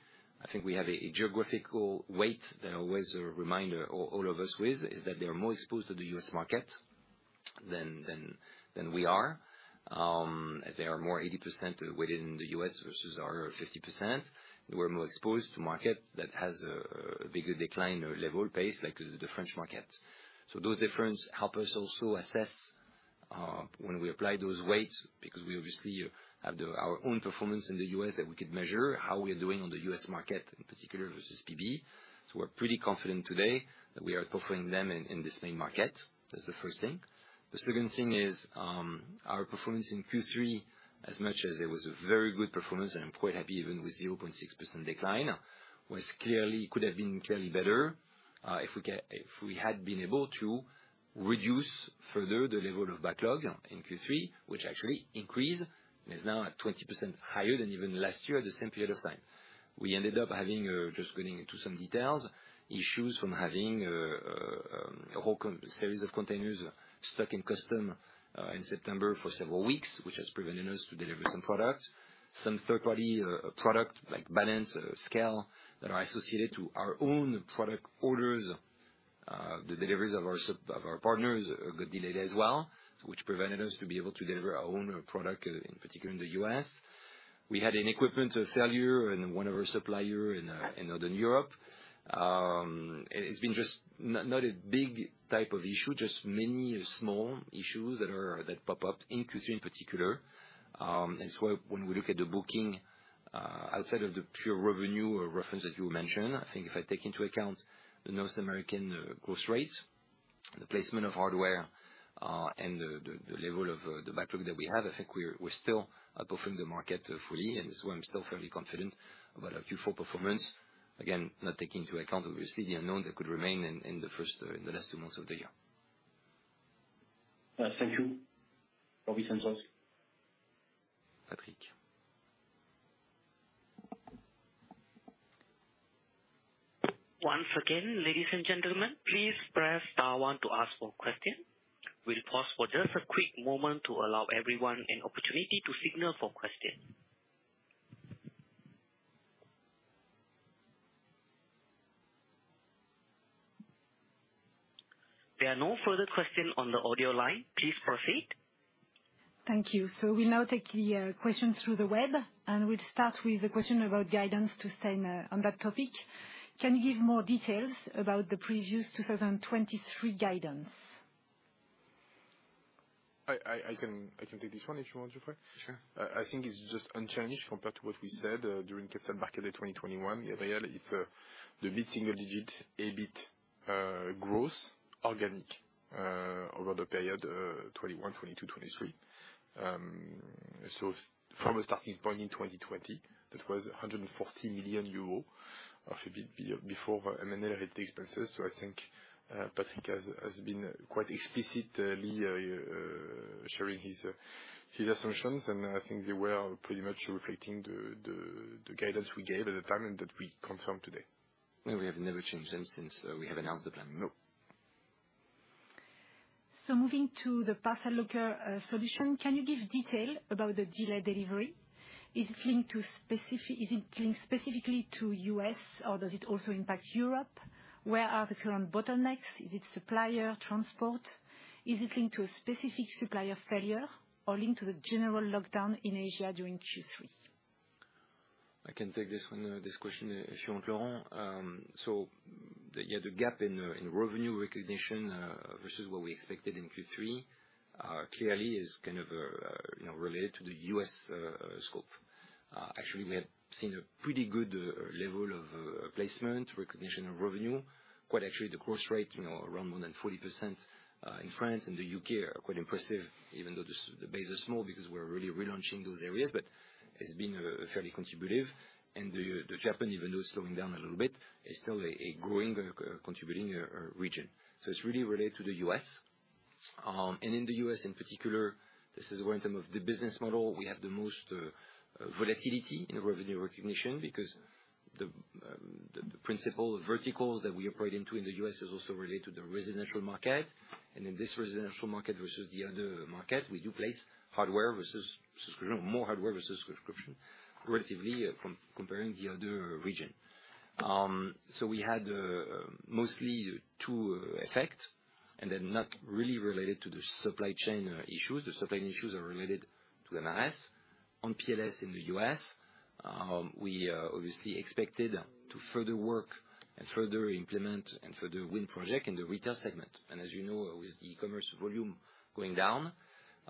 I think we have a geographical weight that always remind all of us with is that they are more exposed to the U.S. market than we are. As they are more 80% within the U.S. versus our 50%. We're more exposed to market that has a bigger decline or level pace like the French market. Those difference help us also assess, when we apply those weights, because we obviously have our own performance in the U.S. that we could measure how we're doing on the U.S. market in particular versus PB. We're pretty confident today that we are outperforming them in this main market. That's the first thing. The second thing is, our performance in Q3, as much as it was a very good performance, and I'm quite happy even with 0.6% decline, could have been clearly better, if we had been able to reduce further the level of backlog in Q3, which actually increased and is now at 20% higher than even last year at the same period of time. We ended up having just getting into some details, issues from having a whole series of containers stuck in custom in September for several weeks, which has prevented us to deliver some products. Some third party product like balance scale that are associated to our own product orders, the deliveries of our partners got delayed as well, which prevented us to be able to deliver our own product in particular in the U.S. We had an equipment failure in one of our supplier in Northern Europe. It's been just not a big type of issue, just many small issues that are, that pop up in Q3 in particular. When we look at the booking, outside of the pure revenue reference that you mentioned, I think if I take into account the North American growth rate, the placement of hardware, and the level of the backlog that we have, I think we're still outperforming the market fully, and this is why I'm still fairly confident about our Q4 performance. Again, not taking into account obviously the unknown that could remain in the first, in the last two months of the year. Thank you. Patrick. Once again, ladies and gentlemen, please press star one to ask for question. We'll pause for just a quick moment to allow everyone an opportunity to signal for question. There are no further question on the audio line. Please proceed. Thank you. We'll now take the, question through the web, and we'll start with the question about guidance to stay on that topic. Can you give more details about the previous 2023 guidance? I can take this one if you want, Geoffrey. Sure. I think it's just unchanged compared to what we said during Capital Markets Day 2021. The reality is the mid-single digit EBIT growth organic over the period 2021, 2022, 2023. From a starting point in 2020, that was 140 million euro of EBIT before M&A related expenses. I think Patrick has been quite explicitly sharing his assumptions, and I think they were pretty much reflecting the guidance we gave at the time and that we confirm today. We have never changed them since we have announced the plan. No. Moving to the Parcel Locker Solution, can you give detail about the delayed delivery? Is it linked specifically to U.S. or does it also impact Europe? Where are the current bottlenecks? Is it supplier? Transport? Is it linked to a specific supplier failure or linked to the general lockdown in Asia during Q3? I can take this one, this question if you want, Laurent. The gap in revenue recognition versus what we expected in Q3 clearly is kind of, you know, related to the U.S. scope. Actually, we have seen a pretty good level of placement, recognition of revenue. Quite actually, the growth rate, you know, around more than 40% in France and the U.K. are quite impressive, even though this, the base is small because we're really relaunching those areas. It's been fairly contributive. The Japan, even though it's slowing down a little bit, is still a growing, contributing region. It's really related to the U.S. In the U.S. in particular, this is where in term of the business model, we have the most volatility in revenue recognition because the principal verticals that we operate into in the U.S. is also related to the residential market. In this residential market versus the other market, we do place hardware versus subscription, more hardware versus subscription, relatively comparing the other region. We had mostly two effect and they're not really related to the supply chain issues. The supply chain issues are related to MRS. On PLS in the U.S., we obviously expected to further work and further implement and further win project in the retail segment. As you know, with the e-commerce volume going down,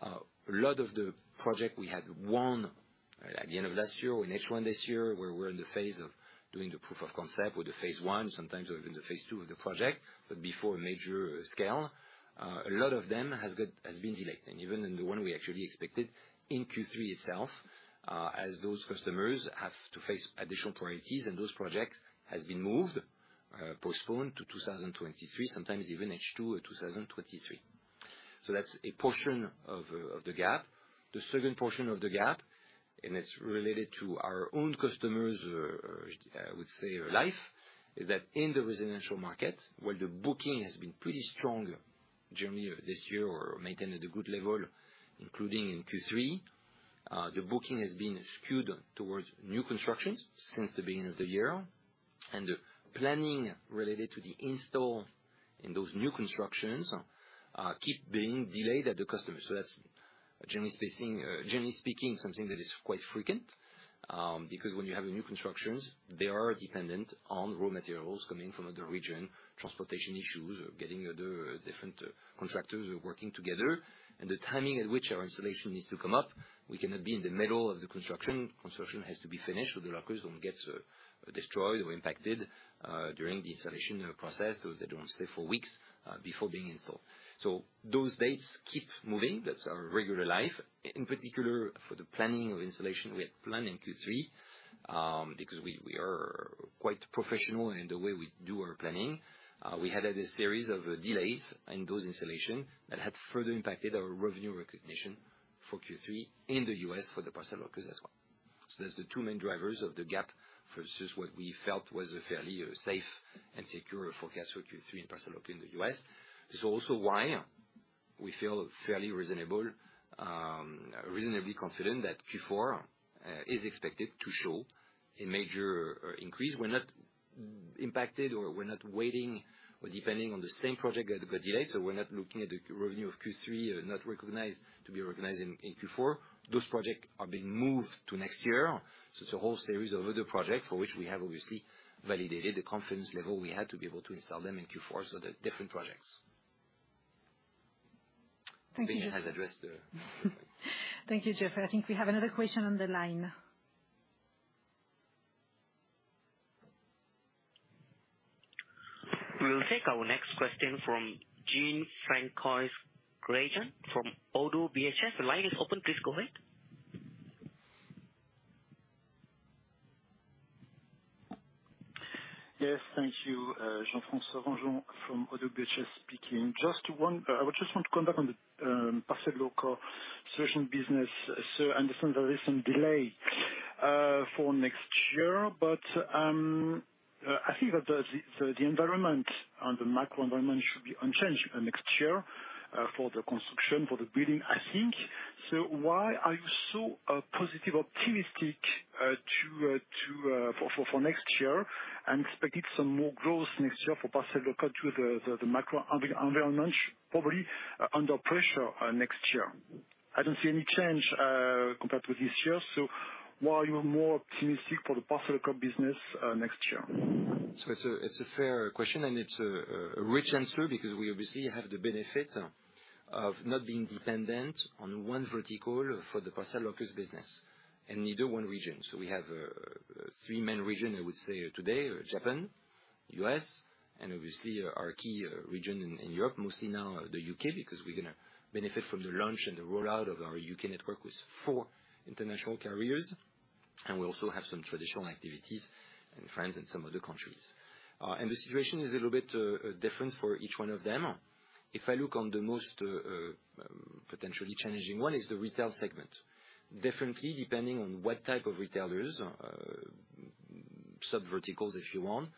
a lot of the project we had won at the end of last year or in H1 this year, where we're in the phase of doing the proof of concept with the phase one, sometimes we're in the phase two of the project, but before major scale. A lot of them has been delayed. Even in the one we actually expected in Q3 itself, as those customers have to face additional priorities and those projects has been moved, postponed to 2023, sometimes even H2 or 2023. That's a portion of the gap. The second portion of the gap, and it's related to our own customers, I would say life, is that in the residential market where the booking has been pretty strong generally this year or maintained at a good level, including in Q3, the booking has been skewed towards new constructions since the beginning of the year. The planning related to the install in those new constructions, keep being delayed at the customer. That's generally speaking, something that is quite frequent, because when you have a new constructions, they are dependent on raw materials coming from other region, transportation issues or getting other different contractors working together. The timing at which our installation needs to come up, we cannot be in the middle of the construction. Construction has to be finished, the lockers don't get destroyed or impacted during the installation process. They don't stay for weeks before being installed. Those dates keep moving. That's our regular life. In particular, for the planning of installation, we had planned in Q3 because we are quite professional in the way we do our planning. We had a series of delays in those installation that had further impacted our revenue recognition for Q3 in the U.S. for Parcel Locker as well. That's the two main drivers of the gap versus what we felt was a fairly safe and secure forecast for Q3 in Parcel Locker in the U.S. This is also why we feel fairly reasonably confident that Q4 is expected to show a major increase. We're not impacted, or we're not waiting or depending on the same project that got delayed. We're not looking at the revenue of Q3, not recognized, to be recognized in Q4. Those projects are being moved to next year. It's a whole series of other projects for which we have obviously validated the confidence level we had to be able to install them in Q4, so they're different projects. Thank you. I think I have addressed the... Thank you, Geoffrey. I think we have another question on the line. We'll take our next question from Jean-François Granjon from ODDO BHF. The line is open. Please go ahead. Yes, thank you. Jean-François Granjon from ODDO BHF speaking. I would just want to come back on the Parcel Locker Solution business. I understand there is some delay for next year, but I think that the environment and the microenvironment should be unchanged next year for the construction, for the building, I think. Why are you so positive, optimistic, for next year and expecting some more growth next year for Parcel Locker to the micro environment, probably under pressure next year? I don't see any change compared to this year. Why are you more optimistic for the Parcel Locker business next year? It's a fair question, and it's a rich answer because we obviously have the benefit of not being dependent on one vertical for Parcel Locker business, in either one region. We have three main region, I would say today, Japan, U.S., and obviously our key region in Europe, mostly now the U.K., because we're gonna benefit from the launch and the rollout of our U.K. network with four international carriers. We also have some traditional activities in France and some other countries. The situation is a little bit different for each one of them. If I look on the most potentially challenging one is the retail segment. Differently, depending on what type of retailers, subverticals, if you want,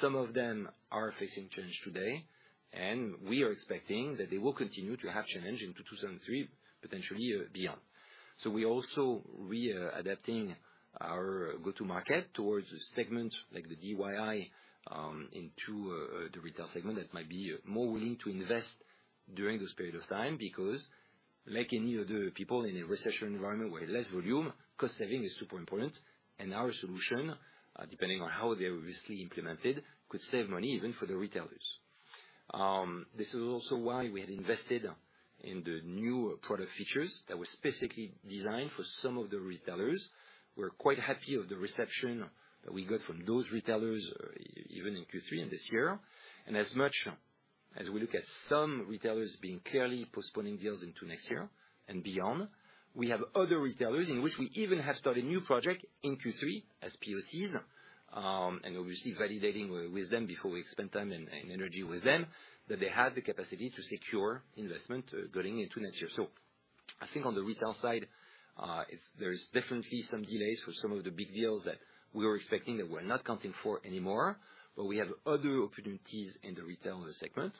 some of them are facing change today, and we are expecting that they will continue to have challenge into 2023, potentially beyond. We're also re-adapting our go-to market towards segments like the DIY, into the retail segment that might be more willing to invest during this period of time because like any other people in a recession environment where less volume, cost saving is super important. Our solution, depending on how they're obviously implemented, could save money even for the retailers. This is also why we had invested in the new product features that were specifically designed for some of the retailers. We're quite happy with the reception that we got from those retailers even in Q3 and this year. As much as we look at some retailers being clearly postponing deals into next year and beyond, we have other retailers in which we even have started new project in Q3 as POCs, and obviously validating with them before we spend time and energy with them, that they have the capacity to secure investment going into next year. I think on the retail side, if there is definitely some delays for some of the big deals that we were expecting that we're not counting for anymore, but we have other opportunities in the retail segment.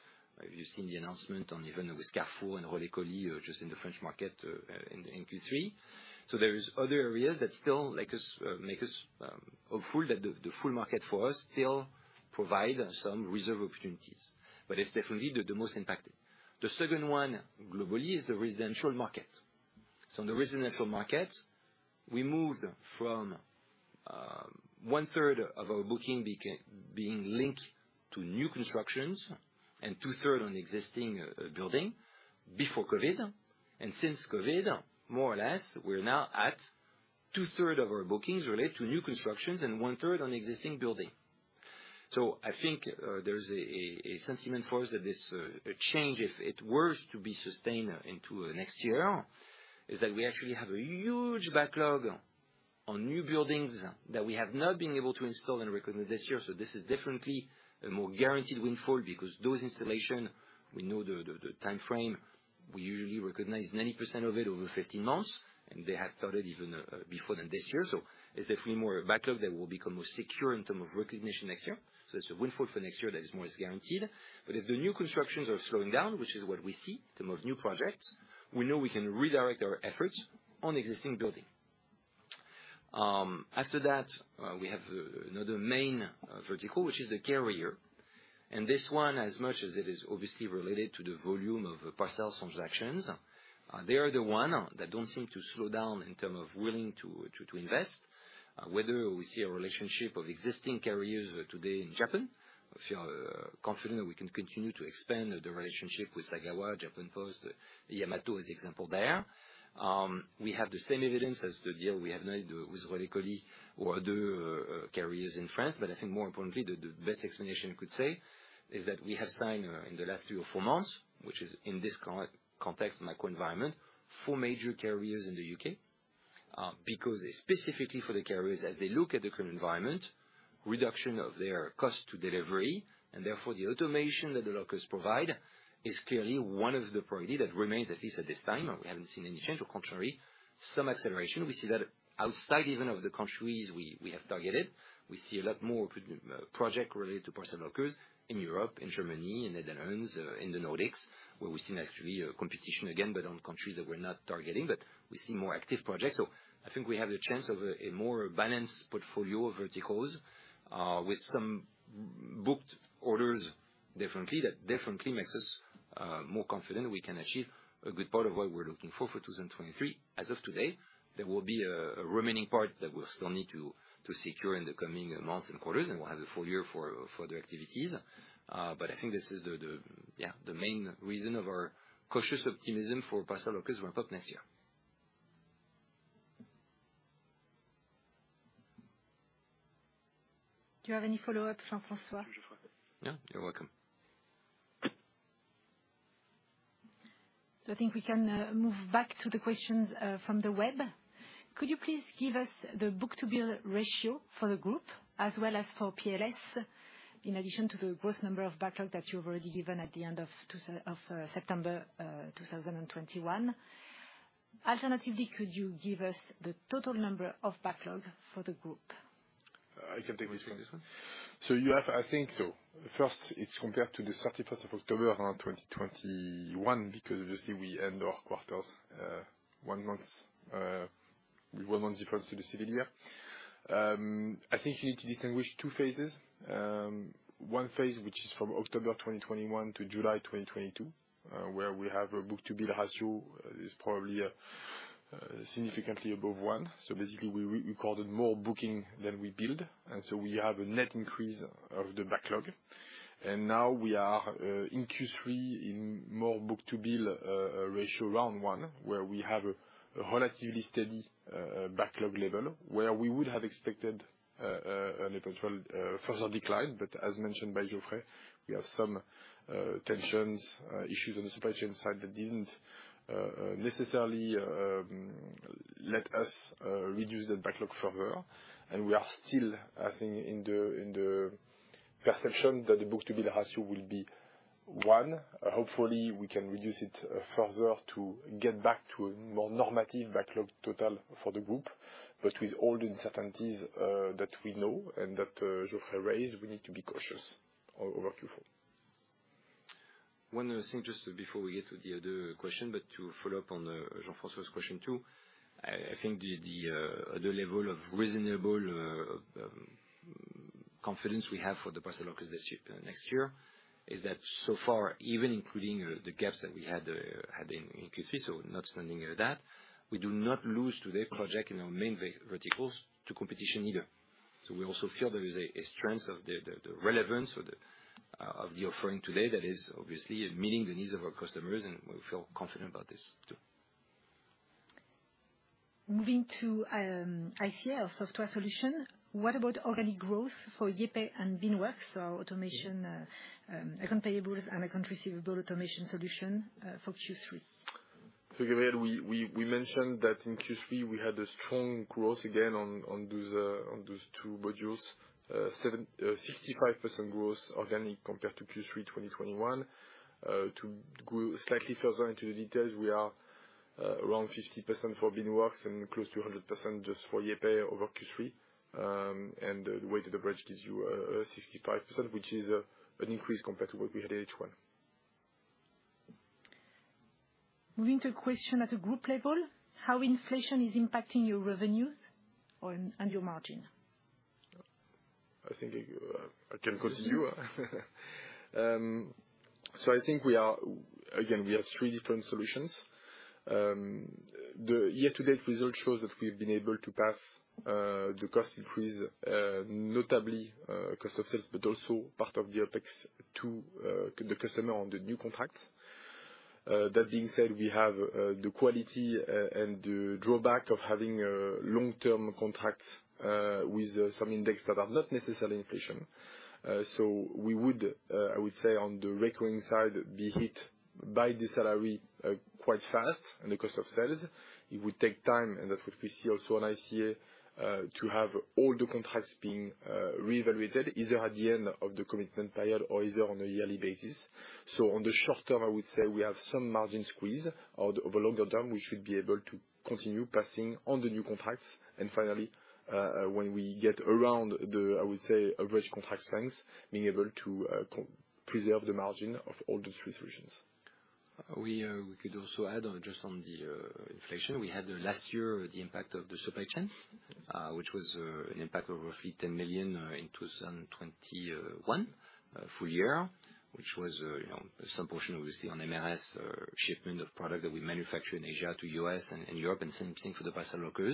You've seen the announcement on even with Carrefour and Relais Colis just in the French market in Q3. There is other areas that still make us hopeful that the full market for us still provide some reserve opportunities, but it's definitely the most impacted. The second one globally is the residential market. On the residential market, we moved from 1/3 of our booking being linked to new constructions and 2/3 on existing building before COVID. Since COVID, more or less, we're now at 2/3 of our bookings relate to new constructions and 1/3 on existing building. I think there's a sentiment for us that this change, if it were to be sustained into next year, is that we actually have a huge backlog on new buildings that we have not been able to install and recognize this year. This is definitely a more guaranteed windfall because those installation, we know the time frame. We usually recognize 90% of it over 15 months, and they have started even before than this year. It's definitely more backlog that will become more secure in term of recognition next year. It's a windfall for next year that is more guaranteed. If the new constructions are slowing down, which is what we see in terms of new projects, we know we can redirect our efforts on existing building. After that, we have another main vertical, which is the carrier. This one, as much as it is obviously related to the volume of parcel transactions, they are the one that don't seem to slow down in term of willing to invest. Whether we see a relationship of existing carriers today in Japan, I feel confident that we can continue to expand the relationship with Sagawa Express, Japan Post, Yamato Transport as example there. We have the same evidence as the deal we have made with Relais Colis or other carriers in France. I think more importantly, the best explanation could say is that we have signed in the last three or four months, which is in this current context macro environment, four major carriers in the U.K. Because specifically for the carriers, as they look at the current environment, reduction of their cost to delivery, and therefore the automation that the lockers provide is clearly one of the priority that remains at least at this time, and we haven't seen any change or contrary some acceleration. We see that outside even of the countries we have targeted. We see a lot more project related Parcel Locker in Europe, in Germany, in Netherlands, in the Nordics, where we've seen actually a competition again, but on countries that we're not targeting. We see more active projects. I think we have the chance of a more balanced portfolio of verticals, with some booked orders differently. That definitely makes us more confident we can achieve a good part of what we're looking for 2023. As of today, there will be a remaining part that we'll still need to secure in the coming months and quarters, and we'll have a full year for the activities. I think this is the main reason of our cautious optimism Parcel Locker ramp up next year. Do you have any follow-up, Jean-François? No. You're welcome. I think we can move back to the questions from the web. Could you please give us the book-to-bill ratio for the group as well as for PLS, in addition to the gross number of backlog that you've already given at the end of September 2021. Alternatively, could you give us the total number of backlog for the group? I can take this one. This one. You have, I think so. First, it's compared to the 31st of October 2021, because obviously we end our quarters one month difference to the civil year. I think you need to distinguish two phases. One phase, which is from October 2021 to July 2022, where we have a book-to-bill ratio is probably significantly above one. Basically we recorded more booking than we billed, we have a net increase of the backlog. Now we are in Q3 in more book-to-bill ratio around one, where we have a relatively steady backlog level, where we would have expected a little further decline. As mentioned by Geoffrey, we have some tensions, issues on the supply chain side that didn't necessarily let us reduce the backlog further. We are still, I think, in the perception that the book-to-bill ratio will be one. Hopefully we can reduce it further to get back to a more normative backlog total for the group. With all the uncertainties that we know and that Geoffrey raised, we need to be cautious over Q4. One other thing, just before we get to the other question, but to follow up on Jean-François's question too. I think the level of reasonable confidence we have for Parcel Locker this year, next year, is that so far, even including the gaps that we had in Q3, so not sending that, we do not lose to their project in our main verticals to competition either. We also feel there is a strength of the relevance of the offering today that is obviously meeting the needs of our customers, and we feel confident about this too. Moving to ICA, our software solution, what about organic growth for YayPay and Beanworks, our automation, accounts payable and accounts receivable automation solution, for Q3? Gabrielle, we mentioned that in Q3 we had a strong growth again on those two modules. 65% growth organic compared to Q3 2021. To go slightly further into the details, we are around 50% for Beanworks and close to 100% just for YayPay over Q3. The weighted average gives you 65%, which is an increase compared to what we had in H1. Moving to a question at a group level, how inflation is impacting your revenues and your margin. I think I can go to you. I think again, we have three different solutions. The year-to-date result shows that we've been able to pass the cost increase, notably, cost of sales, but also part of the OpEx to the customer on the new contracts. That being said, we have the quality and the drawback of having a long-term contract with some index that are not necessarily inflation. We would, I would say on the recurring side, be hit by the salary quite fast and the cost of sales. It would take time, and that's what we see also in ICA, to have all the contracts being reevaluated either at the end of the commitment period or either on a yearly basis. On the short term, I would say we have some margin squeeze. Over longer term, we should be able to continue passing on the new contracts. Finally, when we get around the, I would say, average contract length, being able to preserve the margin of all those three solutions. We could also add just on the inflation. We had last year the impact of the supply chain, which was an impact of roughly 10 million in 2021 full year, which was, you know, some portion obviously on MRS, shipment of product that we manufacture in Asia to U.S. and Europe, and same thing for the Parcel Locker.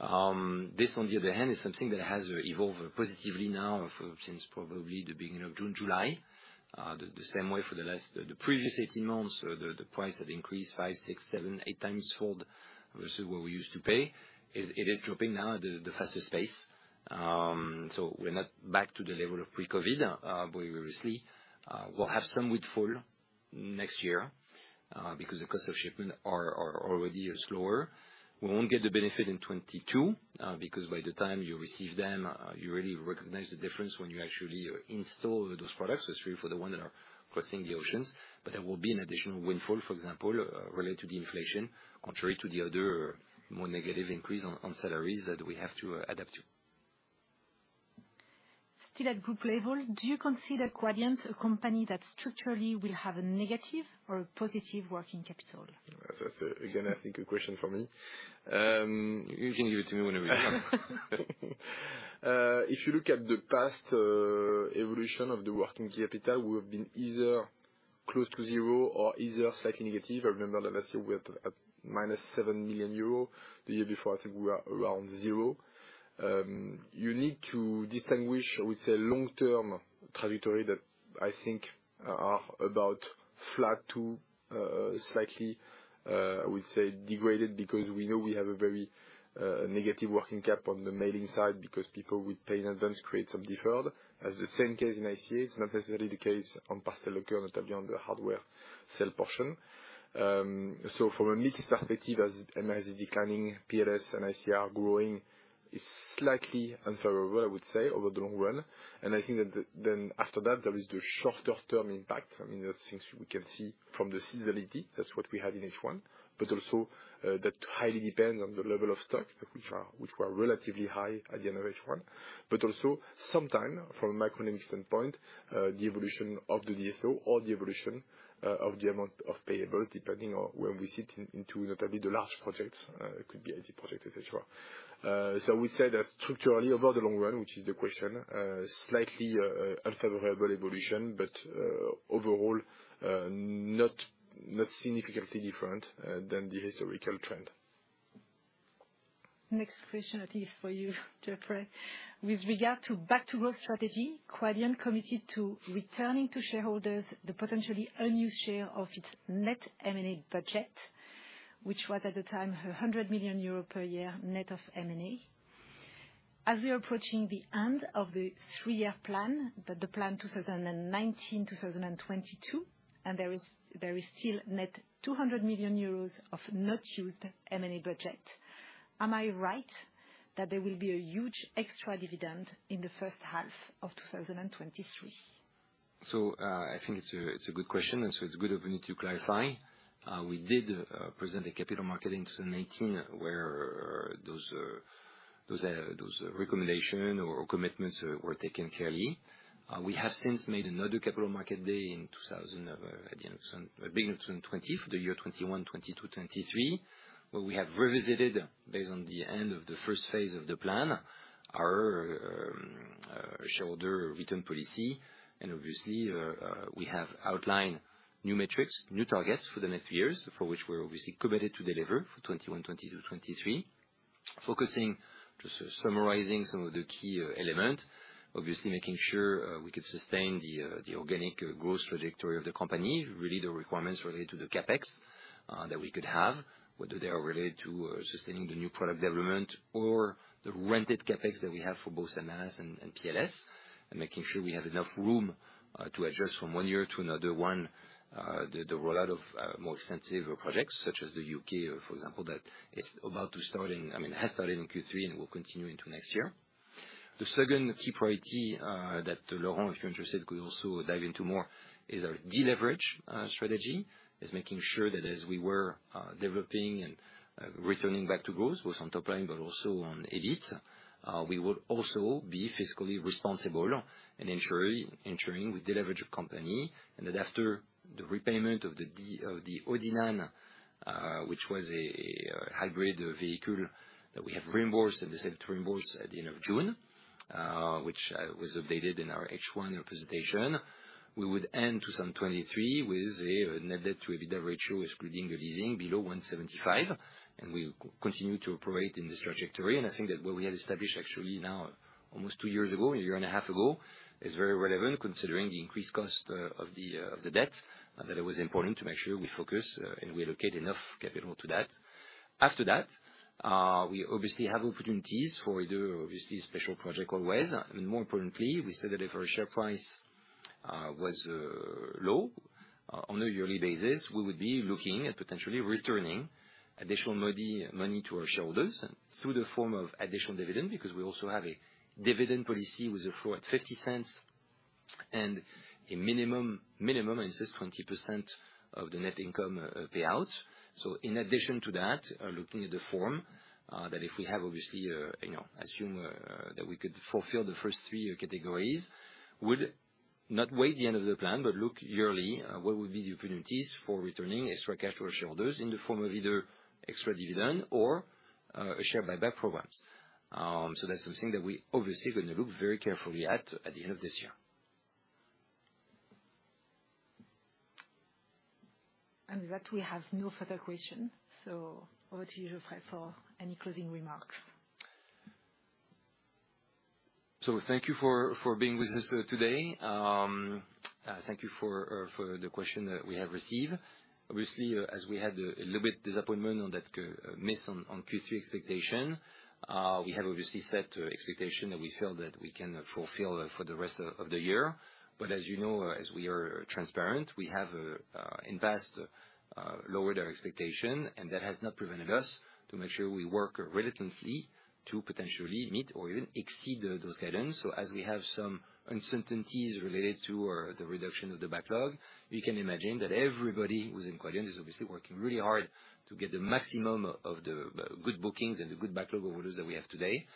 This on the other hand is something that has evolved positively now for since probably the beginning of June, July. The same way for the last, the previous 18 months, the price had increased five, six, seven, eight times fold versus what we used to pay. It is dropping now at the fastest pace. We're not back to the level of pre-COVID, but obviously, we'll have some windfall next year, because the cost of shipment are already slower. We won't get the benefit in 2022, because by the time you receive them, you really recognize the difference when you actually install those products. That's true for the one that are crossing the oceans. There will be an additional windfall, for example, related to the inflation, contrary to the other more negative increase on salaries that we have to adapt to. Still at group level, do you consider Quadient a company that structurally will have a negative or a positive working capital? That's, again, I think a question for me. You can give it to me whenever you want. If you look at the past evolution of the working capital, we have been either close to zero or either slightly negative. I remember that let's say we're at -7 million euro. The year before, I think we were around zero. You need to distinguish with a long-term trajectory that I think are about flat to slightly, I would say, degraded, because we know we have a very negative working cap on the mailing side because people would pay in advance, create some deferred. As the same case in ICA, it's not necessarily the case on Parcel Locker, not only on the hardware sell portion. From a mixed perspective, as MRS is declining, PLS and ICA are growing, it's slightly unfavorable, I would say, over the long run. I think that then after that, there is the shorter term impact. I mean, that's things we can see from the seasonality. That's what we had in H1. Also that highly depends on the level of stocks, which were relatively high at the end of H1. Also sometime from a macroeconomic standpoint, the evolution of the DSO or the evolution of the amount of payables, depending on when we sit into notably the large projects. It could be IT projects, et cetera. We say that structurally over the long run, which is the question, slightly unfavorable evolution, but overall not significantly different than the historical trend. Next question, I think for you, Geoffrey. With regard to Back to Growth strategy, Quadient committed to returning to shareholders the potentially unused share of its net M&A budget, which was at the time 100 million euro per year net of M&A. As we're approaching the end of the three-year plan, the plan 2019, 2022, and there is still net 200 million euros of not used M&A budget. Am I right that there will be a huge extra dividend in the first half of 2023? I think it's a good question, and so it's good if we need to clarify. We did present a Capital Market in 2018, where those, those recommendation or commitments were taken clearly. We have since made another Capital Market Day in 2000, at the end of beginning of 2020 for the year 2021, 2022, 2023, where we have revisited based on the end of the first phase of the plan, our shareholder return policy. Obviously, we have outlined new metrics, new targets for the next years, for which we're obviously committed to deliver for 2021, 2022, 2023. Focusing, just summarizing some of the key elements. Obviously, making sure we could sustain the organic growth trajectory of the company, really the requirements related to the CapEx that we could have, whether they are related to sustaining the new product development or the rented CapEx that we have for both MRS and PLS. Making sure we have enough room to adjust from one year to another one, the rollout of more extensive projects such as the U.K., for example, that is about to start in... I mean, has started in Q3 and will continue into next year. The second key priority that Laurent, if you're interested, could also dive into more, is our deleverage strategy. Is making sure that as we were developing and returning Back to Growth, both on top line but also on EBIT, we would also be fiscally responsible and ensuring we deleverage of company. After the repayment of the ODIRNANE, which was a hybrid vehicle that we have reimbursed and decided to reimburse at the end of June, which was updated in our H1 presentation. We would end 2023 with a net debt to EBITDA ratio, excluding the leasing, below 1.75, and we continue to operate in this trajectory. I think that what we had established actually now, almost two years ago, 1.5 years ago, is very relevant considering the increased cost of the debt, that it was important to make sure we focus and we allocate enough capital to that. After that, we obviously have opportunities for either obviously special project always. I mean, more importantly, we said that if our share price was low on a yearly basis, we would be looking at potentially returning additional money to our shareholders through the form of additional dividend, because we also have a dividend policy with a floor at 0.50 and a minimum, I insist, 20% of the net income payout. In addition to that, looking at the form that if we have obviously, you know, assume that we could fulfill the first three categories, would not wait the end of the plan, but look yearly what would be the opportunities for returning extra cash to our shareholders in the form of either extra dividend or a share buyback programs. That's something that we obviously gonna look very carefully at the end of this year. With that, we have no further questions. Over to you, Geoffrey, for any closing remarks. Thank you for being with us today. Thank you for the question that we have received. Obviously, as we had a little bit disappointment on that miss on Q3 expectation, we have obviously set expectation that we feel that we can fulfill for the rest of the year. As you know, as we are transparent, we have in past lowered our expectation, and that has not prevented us to make sure we work relentlessly to potentially meet or even exceed those guidelines. As we have some uncertainties related to the reduction of the backlog, you can imagine that everybody who's in Quadient is obviously working really hard to get the maximum of the good bookings and the good backlog orders that we have today.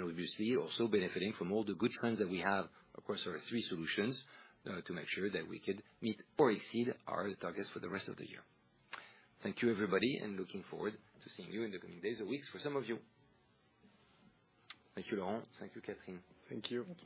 Obviously, also benefiting from all the good trends that we have across our three solutions, to make sure that we could meet or exceed our targets for the rest of the year. Thank you, everybody, and looking forward to seeing you in the coming days or weeks for some of you. Thank you, Laurent. Thank you, Catherine. Thank you.